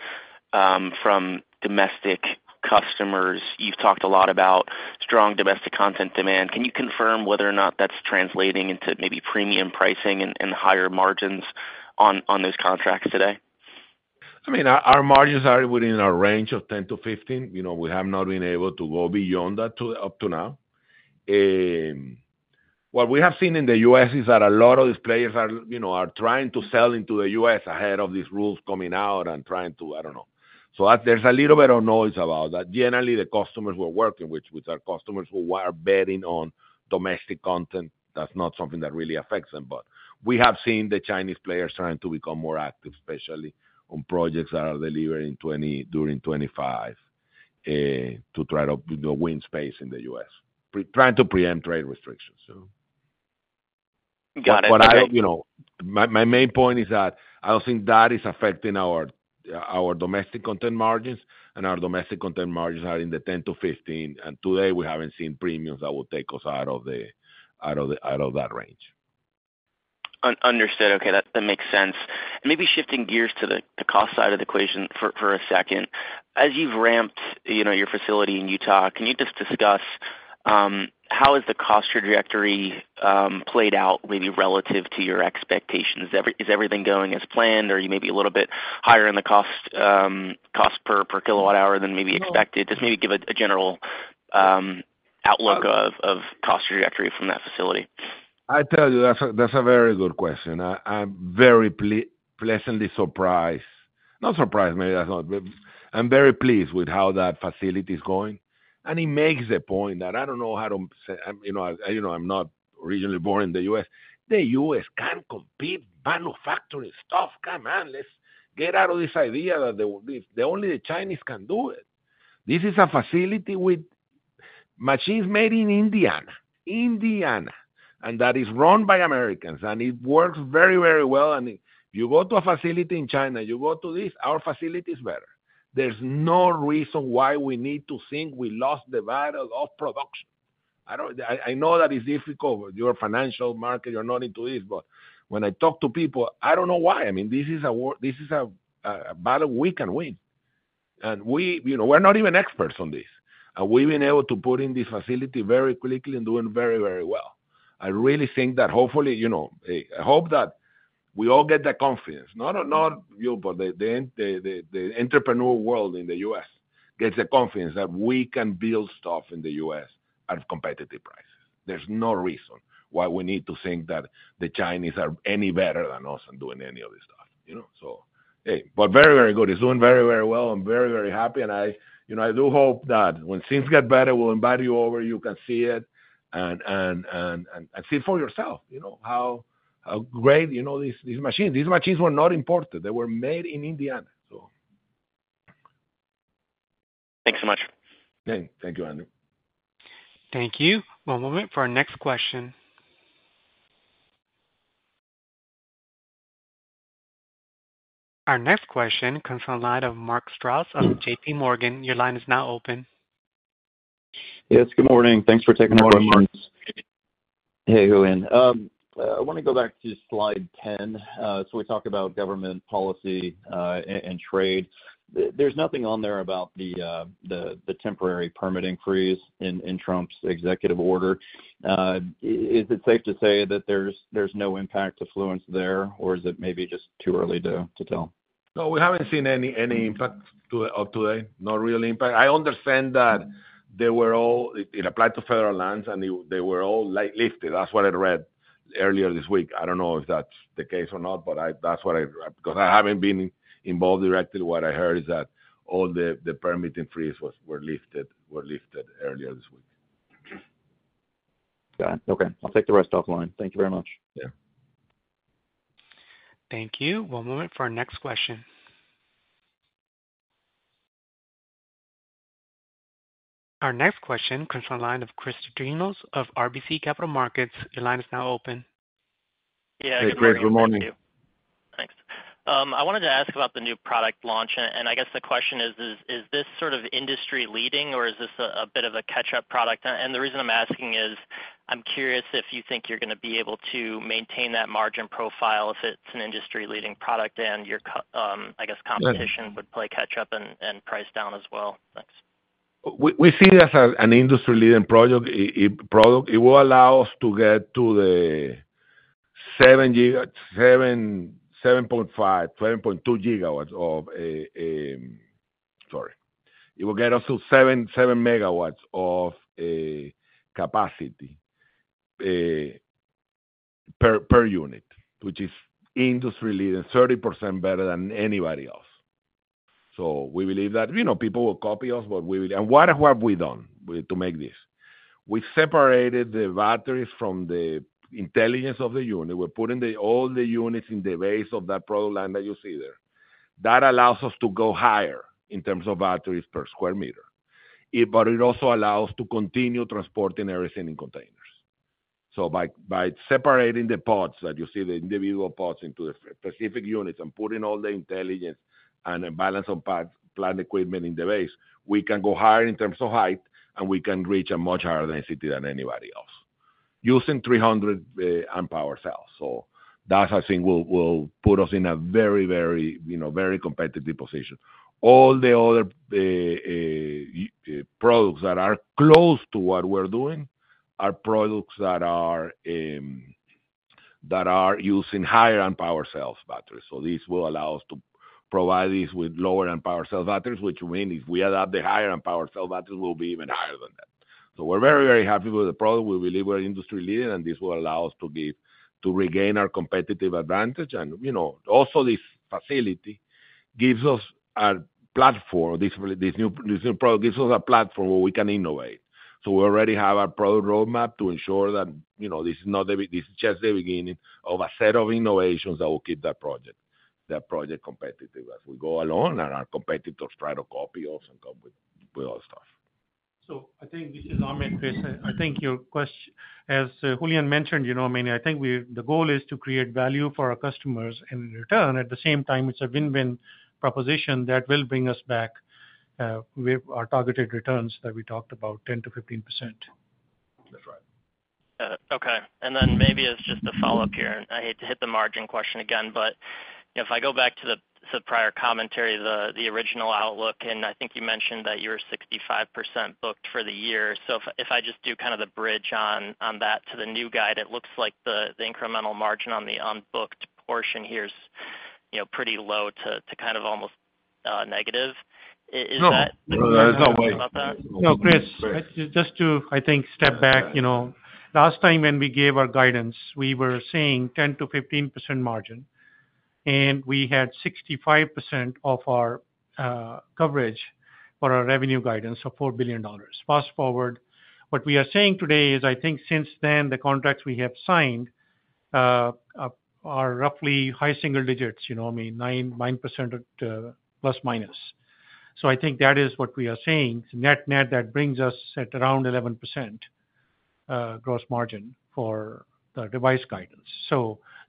from domestic customers. You've talked a lot about strong domestic content demand. Can you confirm whether or not that's translating into maybe premium pricing and higher margins on those contracts today? I mean, our margins are within our range of 10%-15%. We have not been able to go beyond that up to now. What we have seen in the U.S. is that a lot of these players are trying to sell into the U.S. ahead of these rules coming out and trying to, I don't know. So there's a little bit of noise about that. Generally, the customers we're working with, which are customers who are betting on domestic content, that's not something that really affects them. But we have seen the Chinese players trying to become more active, especially on projects that are delivering during 2025 to try to win space in the U.S., trying to preempt trade restrictions. Got it. My main point is that I don't think that is affecting our domestic content margins, and our domestic content margins are in the 10%-15%, and today, we haven't seen premiums that will take us out of that range. Understood. Okay. That makes sense. Maybe shifting gears to the cost side of the equation for a second. As you've ramped your facility in Utah, can you just discuss how has the cost trajectory played out maybe relative to your expectations? Is everything going as planned, or are you maybe a little bit higher in the cost per kilowatt hour than maybe expected? Just maybe give a general outlook of cost trajectory from that facility. I tell you, that's a very good question. I'm very pleasantly surprised. Not surprised, maybe that's not. I'm very pleased with how that facility is going. And he makes the point that I don't know how to say I'm not originally born in the U.S. The U.S. can't compete manufacturing stuff. Come on, let's get out of this idea that only the Chinese can do it. This is a facility with machines made in Indianapolis, Indiana, and that is run by Americans. And it works very, very well. And if you go to a facility in China, you go to this, our facility is better. There's no reason why we need to think we lost the battle of production. I know that it's difficult. Your financial market, you're not into this. But when I talk to people, I don't know why. I mean, this is a battle we can win. And we're not even experts on this. And we've been able to put in this facility very quickly and doing very, very well. I really think that hopefully, I hope that we all get the confidence. Not you, but the entrepreneur world in the U.S. gets the confidence that we can build stuff in the U.S. at competitive prices. There's no reason why we need to think that the Chinese are any better than us and doing any of this stuff. So hey, but very, very good. It's doing very, very well. I'm very, very happy. I do hope that when things get better, we'll invite you over. You can see it and see for yourself how great these machines. These machines were not imported. They were made in Indiana, so. Thanks so much. Thank you, Andrew. Thank you. One moment for our next question. Our next question comes from the line of Mark Strouse of J.P. Morgan. Your line is now open. Yes. Good morning. Thanks for taking the questions. Hey, Julian. I want to go back to slide 10. So we talked about government policy and trade. There's nothing on there about the temporary permitting freeze in Trump's executive order. Is it safe to say that there's no impact to Fluence there, or is it maybe just too early to tell? No, we haven't seen any impact today. No real impact. I understand that they were all it applied to federal lands, and they were all lifted. That's what I read earlier this week. I don't know if that's the case or not, but that's what I because I haven't been involved directly. What I heard is that all the permitting freeze were lifted earlier this week. Got it. Okay. I'll take the rest offline. Thank you very much. Yeah. Thank you. One moment for our next question. Our next question comes from the line of Chris Dendrinos of RBC Capital Markets. Your line is now open. Hey, Chris. Good morning. Thanks. I wanted to ask about the new product launch. And I guess the question is, is this sort of industry-leading, or is this a bit of a catch-up product? The reason I'm asking is I'm curious if you think you're going to be able to maintain that margin profile if it's an industry-leading product and your, I guess, competition would play catch-up and price down as well? Thanks. We see this as an industry-leading product. It will allow us to get to the 7.5GW-7.2GW. Sorry. It will get us to 7MW of capacity per unit, which is industry-leading, 30% better than anybody else. So we believe that people will copy us, but we will. And what have we done to make this? We separated the batteries from the intelligence of the unit. We're putting all the units in the base of that product line that you see there. That allows us to go higher in terms of batteries per square meter. But it also allows us to continue transporting everything in containers. So by separating the pods that you see, the individual pods into the specific units and putting all the intelligence and balance-of-plant equipment in the base, we can go higher in terms of height, and we can reach a much higher density than anybody else using 300 amp-hour cells. So that's, I think, will put us in a very, very, very competitive position. All the other products that are close to what we're doing are products that are using higher-end power cells batteries. So this will allow us to provide these with lower amp-hour cell batteries, which means if we adopt the higher amp-hour cell batteries, we'll be even higher than that. So we're very, very happy with the product. We believe we're industry-leading, and this will allow us to regain our competitive advantage. And also, this facility gives us a platform. This new product gives us a platform where we can innovate. So we already have our product roadmap to ensure that this is not just the beginning of a set of innovations that will keep that project competitive as we go along and our competitors try to copy us and come with other stuff. So I think this is Ahmed, Chris. I think your question, as Julian mentioned, I mean, I think the goal is to create value for our customers and in return, at the same time, it's a win-win proposition that will bring us back our targeted returns that we talked about, 10% to 15%. That's right. Okay. And then maybe as just a follow-up here, I hate to hit the margin question again, but if I go back to the prior commentary, the original outlook, and I think you mentioned that you were 65% booked for the year. So if I just do kind of the bridge on that to the new guide, it looks like the incremental margin on the unbooked portion here is pretty low to kind of almost negative. Is that? There's no way. No, Chris, just to, I think, step back. Last time when we gave our guidance, we were saying 10%-15% margin, and we had 65% of our coverage for our revenue guidance of $4 billion. Fast forward, what we are saying today is, I think since then, the contracts we have signed are roughly high single digits, I mean, 9% plus or minus. So I think that is what we are saying. Net-net, that brings us at around 11% gross margin for the revised guidance.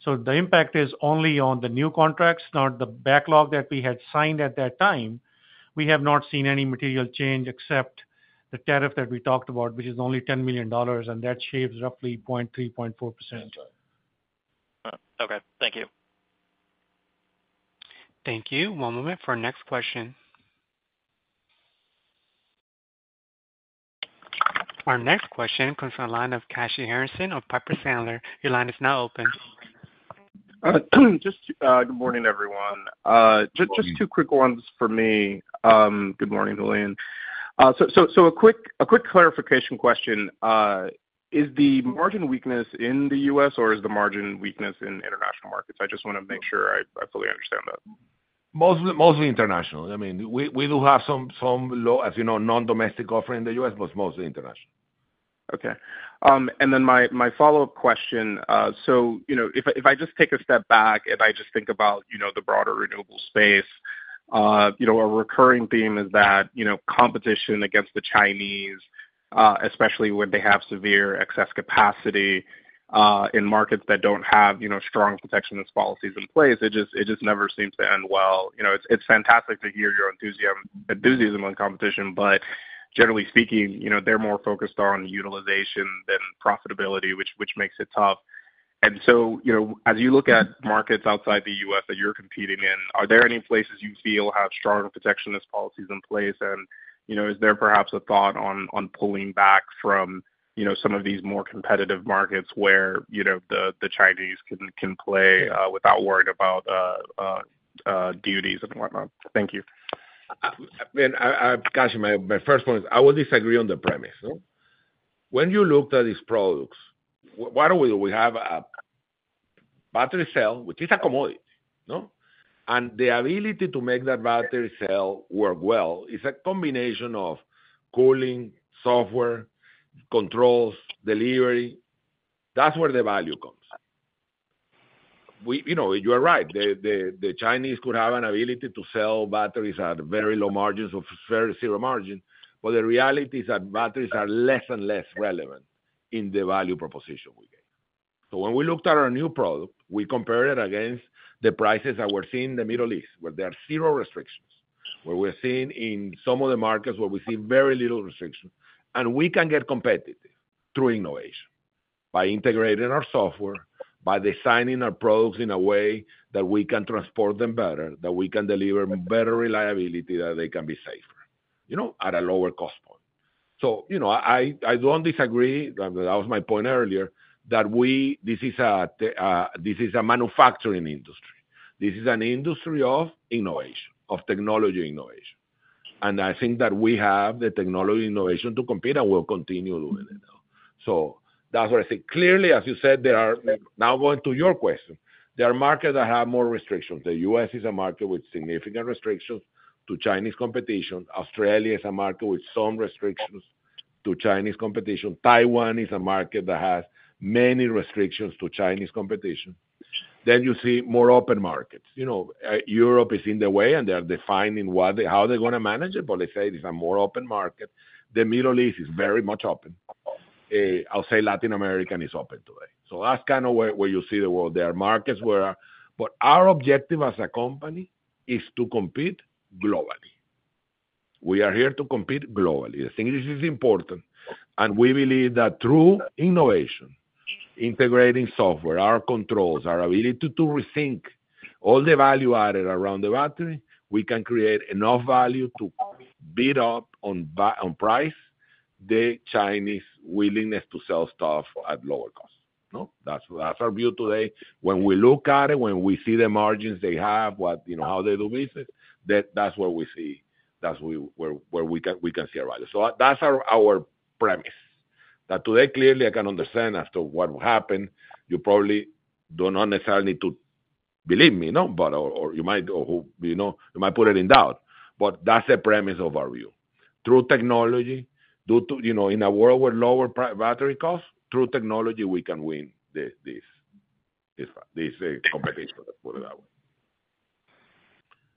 So the impact is only on the new contracts, not the backlog that we had signed at that time. We have not seen any material change except the tariff that we talked about, which is only $10 million, and that shaves roughly 0.3%-0.4%. Okay. Thank you. Thank you. One moment for our next question. Our next question comes from the line of Kashy Harrison of Piper Sandler. Your line is now open. Just good morning, everyone. Just two quick ones for me. Good morning, Julian. So a quick clarification question. Is the margin weakness in the U.S., or is the margin weakness in international markets? I just want to make sure I fully understand that. Mostly international. I mean, we do have some, as you know, non-domestic offering in the U.S., but it's mostly international. Okay. And then my follow-up question. So if I just take a step back and I just think about the broader renewable space, a recurring theme is that competition against the Chinese, especially when they have severe excess capacity in markets that don't have strong protectionist policies in place, it just never seems to end well. It's fantastic to hear your enthusiasm on competition, but generally speaking, they're more focused on utilization than profitability, which makes it tough. And so as you look at markets outside the U.S. that you're competing in, are there any places you feel have strong protectionist policies in place? And is there perhaps a thought on pulling back from some of these more competitive markets where the Chinese can play without worrying about duties and whatnot? Thank you. I mean, Kashy, my first point is I will disagree on the premise. When you looked at these products, why do we have a battery cell, which is a commodity? And the ability to make that battery cell work well is a combination of cooling, software, controls, delivery. That's where the value comes. You are right. The Chinese could have an ability to sell batteries at very low margins or very zero margin, but the reality is that batteries are less and less relevant in the value proposition we gave. So when we looked at our new product, we compared it against the prices that we're seeing in the Middle East, where there are zero restrictions, where we're seeing in some of the markets where we see very little restrictions. And we can get competitive through innovation, by integrating our software, by designing our products in a way that we can transport them better, that we can deliver better reliability, that they can be safer at a lower cost point. So I don't disagree. That was my point earlier, that this is a manufacturing industry. This is an industry of innovation, of technology innovation. And I think that we have the technology innovation to compete and will continue doing it. So that's what I think. Clearly, as you said, now going to your question, there are markets that have more restrictions. The U.S. is a market with significant restrictions to Chinese competition. Australia is a market with some restrictions to Chinese competition. Taiwan is a market that has many restrictions to Chinese competition. Then you see more open markets. Europe is in the way, and they are defining how they're going to manage it, but they say it is a more open market. The Middle East is very much open. I'll say Latin America is open today, so that's kind of where you see the world. There are markets where, but our objective as a company is to compete globally. We are here to compete globally. I think this is important, and we believe that through innovation, integrating software, our controls, our ability to rethink all the value added around the battery, we can create enough value to beat up on price the Chinese willingness to sell stuff at lower cost. That's our view today. When we look at it, when we see the margins they have, how they do business, that's where we can see a value, so that's our premise. That today, clearly, I can understand after what happened, you probably do not necessarily need to believe me, but you might put it in doubt, but that's the premise of our view. Through technology, in a world with lower battery costs, through technology, we can win this competition, let's put it that way.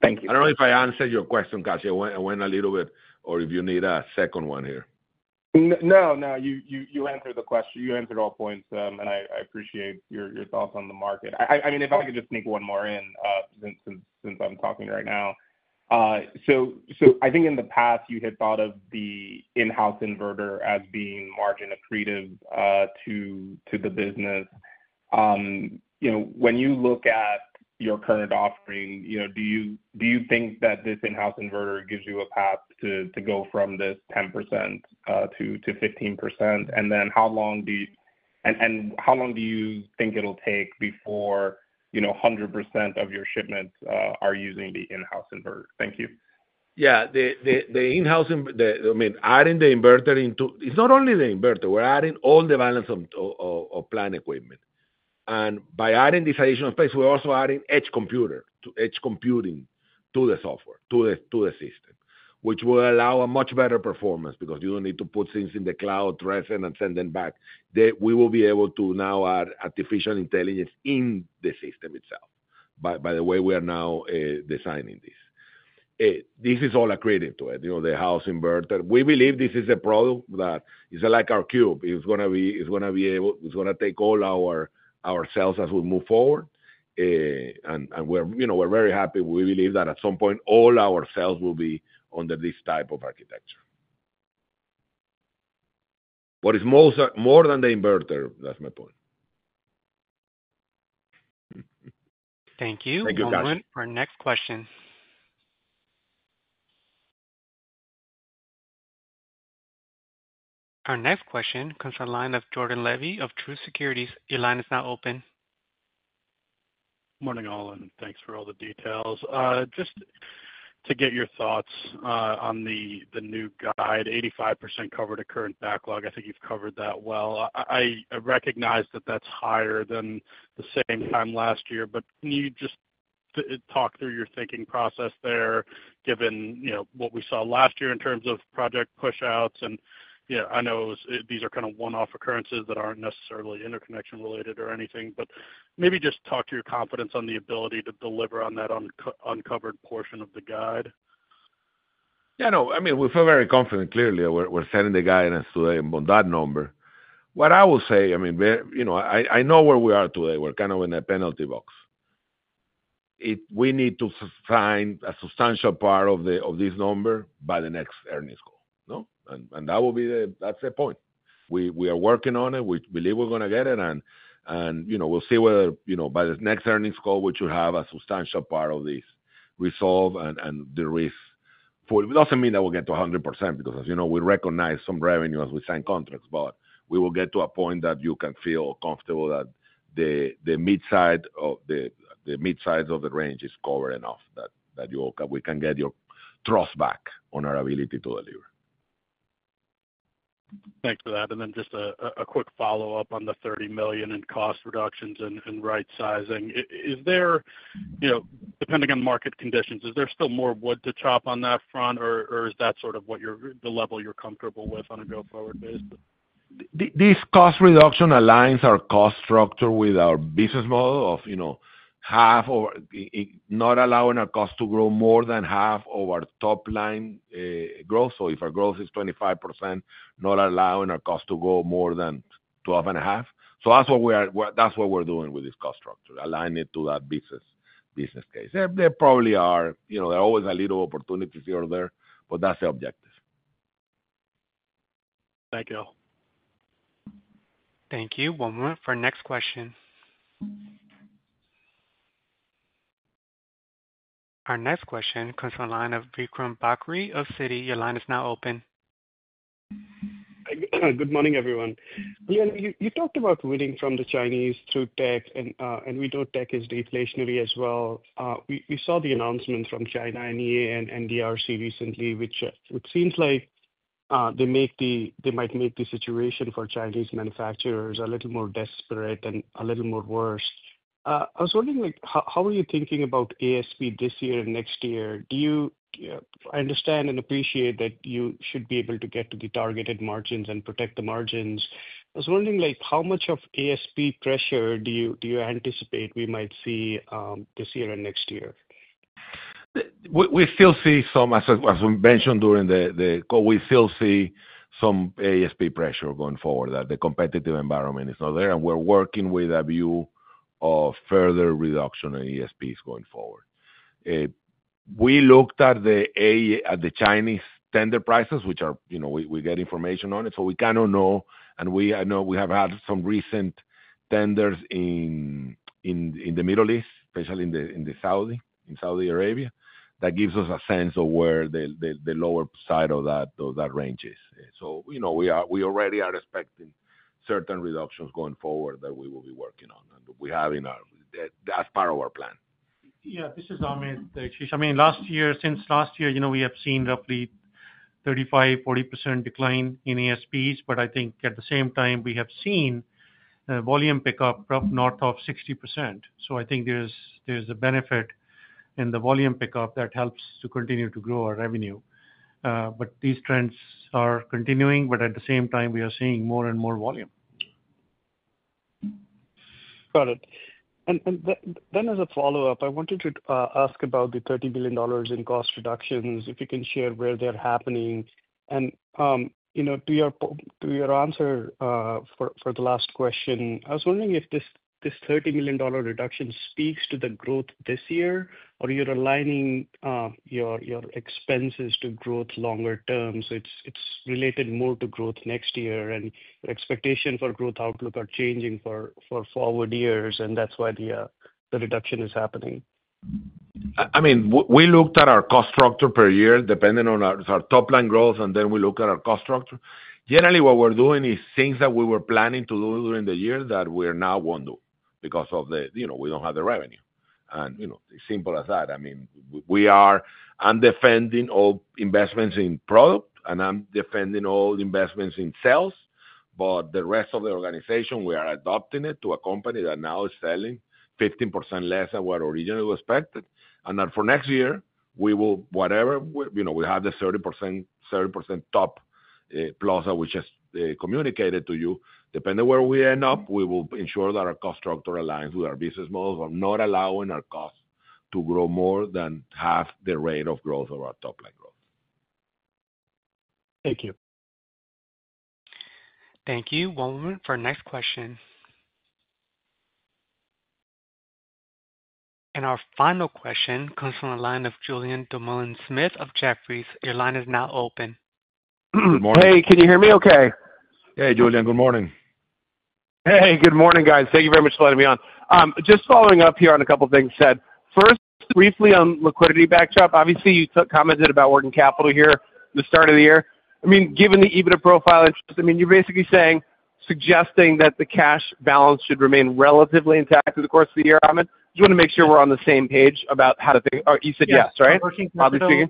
Thank you. I don't know if I answered your question, Kashy. I went a little bit, or if you need a second one here. No, no. You answered the question. You answered all points, and I appreciate your thoughts on the market. I mean, if I could just sneak one more in since I'm talking right now, so I think in the past, you had thought of the in-house inverter as being margin accretive to the business. When you look at your current offering, do you think that this in-house inverter gives you a path to go from this 10%-15%? And then how long do you and how long do you think it'll take before 100% of your shipments are using the in-house inverter? Thank you. Yeah. The in-house, I mean, adding the inverter into it. It's not only the inverter. We're adding all the balance of plant equipment. And by adding this additional space, we're also adding edge computing to the software, to the system, which will allow a much better performance because you don't need to put things in the cloud, then send them back. We will be able to now add artificial intelligence in the system itself by the way we are now designing this. This is all attributed to the in-house inverter. We believe this is a product that is like our Cube. It's going to be able to take all our cells as we move forward. And we're very happy. We believe that at some point, all our cells will be under this type of architecture. But it's more than the inverter. That's my point. Thank you. One moment for our next question. Our next question comes from the line of Jordan Levy of Truist Securities. Your line is now open. Morning, Julian. Thanks for all the details. Just to get your thoughts on the new guide, 85% covered a current backlog. I think you've covered that well. I recognize that that's higher than the same time last year, but can you just talk through your thinking process there, given what we saw last year in terms of project push-outs? I know these are kind of one-off occurrences that aren't necessarily interconnection related or anything, but maybe just talk to your confidence on the ability to deliver on that uncovered portion of the guide. Yeah. No. I mean, we feel very confident, clearly. We're sending the guidance today on that number. What I will say, I mean, I know where we are today. We're kind of in a penalty box. We need to find a substantial part of this number by the next earnings call. And that will be the that's the point. We are working on it. We believe we're going to get it. And we'll see whether by the next earnings call, we should have a substantial part of this resolved and the risk. It doesn't mean that we'll get to 100% because, as you know, we recognize some revenue as we sign contracts, but we will get to a point that you can feel comfortable that the mid-size of the range is covered enough that we can get your trust back on our ability to deliver. Thanks for that. And then just a quick follow-up on the $30 million in cost reductions and right-sizing. Depending on market conditions, is there still more wood to chop on that front, or is that sort of the level you're comfortable with on a go-forward basis? These cost reductions align our cost structure with our business model of half or not allowing our cost to grow more than half of our top-line growth. So if our growth is 25%, not allowing our cost to go more than 12.5%. So that's what we're doing with this cost structure, aligning it to that business case. There probably are always a little opportunity here or there, but that's the objective. Thank you. Thank you. One moment for our next question. Our next question comes from the line of Vikram Bagri of Citi. Your line is now open. Good morning, everyone. Julian, you talked about winning from the Chinese through tech, and we know tech is deflationary as well. We saw the announcements from China and EU and D.C. recently, which seems like they might make the situation for Chinese manufacturers a little more desperate and a little more worse. I was wondering, how are you thinking about ASP this year and next year? Do you understand and appreciate that you should be able to get to the targeted margins and protect the margins? I was wondering, how much of ASP pressure do you anticipate we might see this year and next year? We still see some, as we mentioned during the call. We still see some ASP pressure going forward, that the competitive environment is not there, and we're working with a view of further reduction in ASPs going forward. We looked at the Chinese tender prices, which we get information on it, so we kind of know. And I know we have had some recent tenders in the Middle East, especially in Saudi Arabia, that gives us a sense of where the lower side of that range is. So we already are expecting certain reductions going forward that we will be working on, and we have in our that's part of our plan. Yeah. This is Ahmed. I mean, since last year, we have seen roughly 35%-40% decline in ASPs, but I think at the same time, we have seen volume pickup north of 60%. So I think there's a benefit in the volume pickup that helps to continue to grow our revenue. But these trends are continuing, but at the same time, we are seeing more and more volume. Got it. And then as a follow-up, I wanted to ask about the $30 million in cost reductions, if you can share where they're happening. And to your answer for the last question, I was wondering if this $30 million reduction speaks to the growth this year, or you're aligning your expenses to growth longer term? So it's related more to growth next year, and your expectation for growth outlook are changing for forward years, and that's why the reduction is happening. I mean, we looked at our cost structure per year depending on our top-line growth, and then we looked at our cost structure. Generally, what we're doing is things that we were planning to do during the year that we now won't do because we don't have the revenue, and it's simple as that. I mean, we are defending all investments in product, and I'm defending all investments in sales, but the rest of the organization, we are adapting it to a company that now is selling 15% less than what originally was expected, and for next year, whatever we have the 30% top plus that we just communicated to you, depending where we end up, we will ensure that our cost structure aligns with our business models of not allowing our cost to grow more than half the rate of growth of our top-line growth. Thank you. Thank you. One moment for our next question. Our final question comes from the line of Julien Dumoulin-Smith of Jefferies. Your line is now open. Good morning. Hey, can you hear me okay? Hey, Julien. Good morning. Hey, good morning, guys. Thank you very much for letting me on. Just following up here on a couple of things you said. First, briefly on liquidity backdrop. Obviously, you commented about working capital here at the start of the year. I mean, given the EBITDA profile interest, I mean, you're basically suggesting that the cash balance should remain relatively intact through the course of the year, Ahmed. I just want to make sure we're on the same page about how to think. You said yes, right? Yes. Working capital use.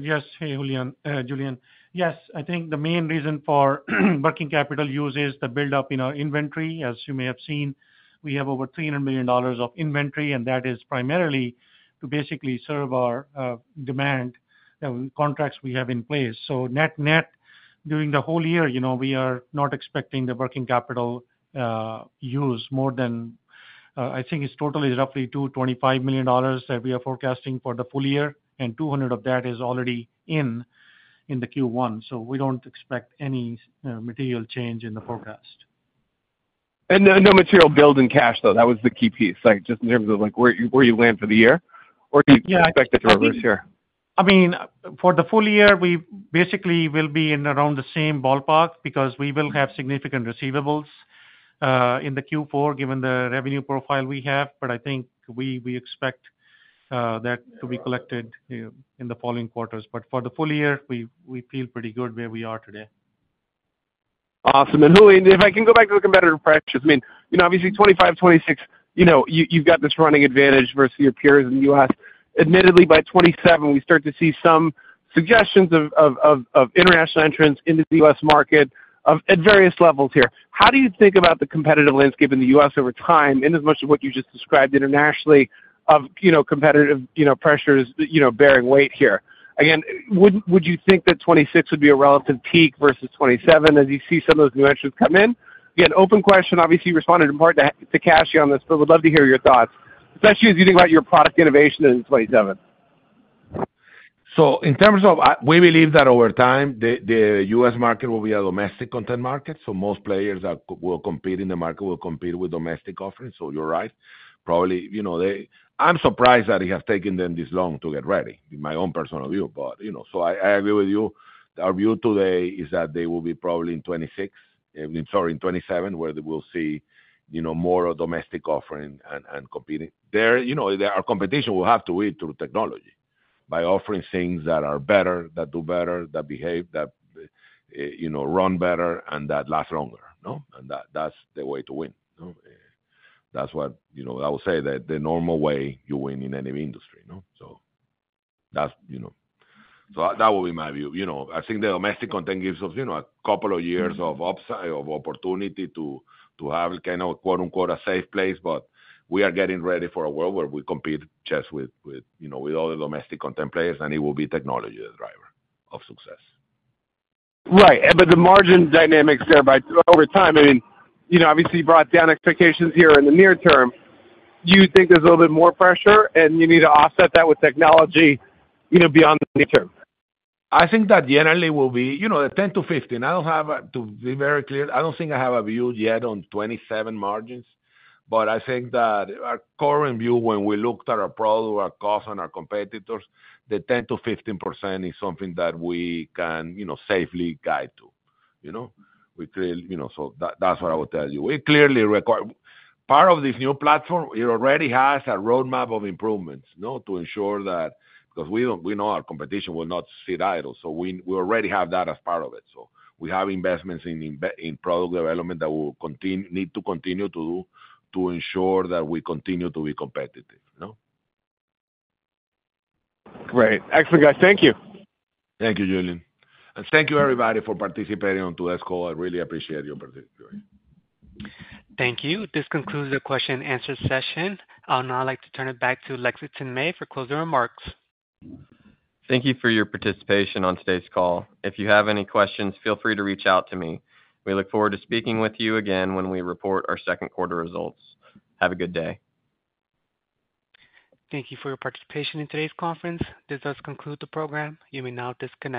Yes. Hey, Julien. Yes. I think the main reason for working capital use is the build-up in our inventory. As you may have seen, we have over $300 million of inventory, and that is primarily to basically serve our demand contracts we have in place. So net-net, during the whole year, we are not expecting the working capital use more than I think it's totally roughly $225 million that we are forecasting for the full year, and 200 of that is already in the Q1. So we don't expect any material change in the forecast. And no material build in cash, though? That was the key piece, just in terms of where you land for the year, or do you expect it to reverse here? I mean, for the full year, we basically will be in around the same ballpark because we will have significant receivables in the Q4 given the revenue profile we have. But I think we expect that to be collected in the following quarters. But for the full year, we feel pretty good where we are today. Awesome. And Julian, if I can go back to the competitor pressures, I mean, obviously, 2025, 2026, you've got this running advantage versus your peers in the U.S. Admittedly, by 2027, we start to see some suggestions of international entrants into the U.S. market at various levels here. How do you think about the competitive landscape in the U.S. over time, in as much as what you just described internationally, of competitive pressures bearing weight here? Again, would you think that 2026 would be a relative peak versus 2027 as you see some of those new entrants come in? Again, open question. Obviously, you responded in part to Kashy on this, but would love to hear your thoughts, especially as you think about your product innovation in 2027. So in terms of we believe that over time, the U.S. market will be a domestic content market. So most players that will compete in the market will compete with domestic offerings. So you're right. Probably I'm surprised that it has taken them this long to get ready, in my own personal view. But so I agree with you. Our view today is that they will be probably in 2026, sorry, in 2027, where we'll see more domestic offering and competing. Our competition will have to win through technology by offering things that are better, that do better, that behave, that run better, and that last longer. And that's the way to win. That's what I will say, the normal way you win in any industry. So that will be my view. I think the domestic content gives us a couple of years of opportunity to have kind of a "safe place," but we are getting ready for a world where we compete just with all the domestic content players, and it will be technology the driver of success. Right. But the margin dynamics there, over time, I mean, obviously, you brought down expectations here in the near term. Do you think there's a little bit more pressure, and you need to offset that with technology beyond the near term? I think that generally will be 10%-15%. To be very clear, I don't think I have a view yet on 2027 margins, but I think that our current view, when we looked at our product, our cost, and our competitors, the 10%-15% is something that we can safely guide to. So that's what I will tell you. Part of this new platform, it already has a roadmap of improvements to ensure that because we know our competition will not sit idle. So we already have that as part of it. So we have investments in product development that we will need to continue to do to ensure that we continue to be competitive. Great. Excellent, guys. Thank you. Thank you, Julien. And thank you, everybody, for participating on today's call. I really appreciate your participation. Thank you. This concludes the question-and-answer session. I'll now like to turn it back to Lexington May for closing remarks. Thank you for your participation on today's call. If you have any questions, feel free to reach out to me. We look forward to speaking with you again when we report our second quarter results. Have a good day. Thank you for your participation in today's conference. This does conclude the program. You may now disconnect.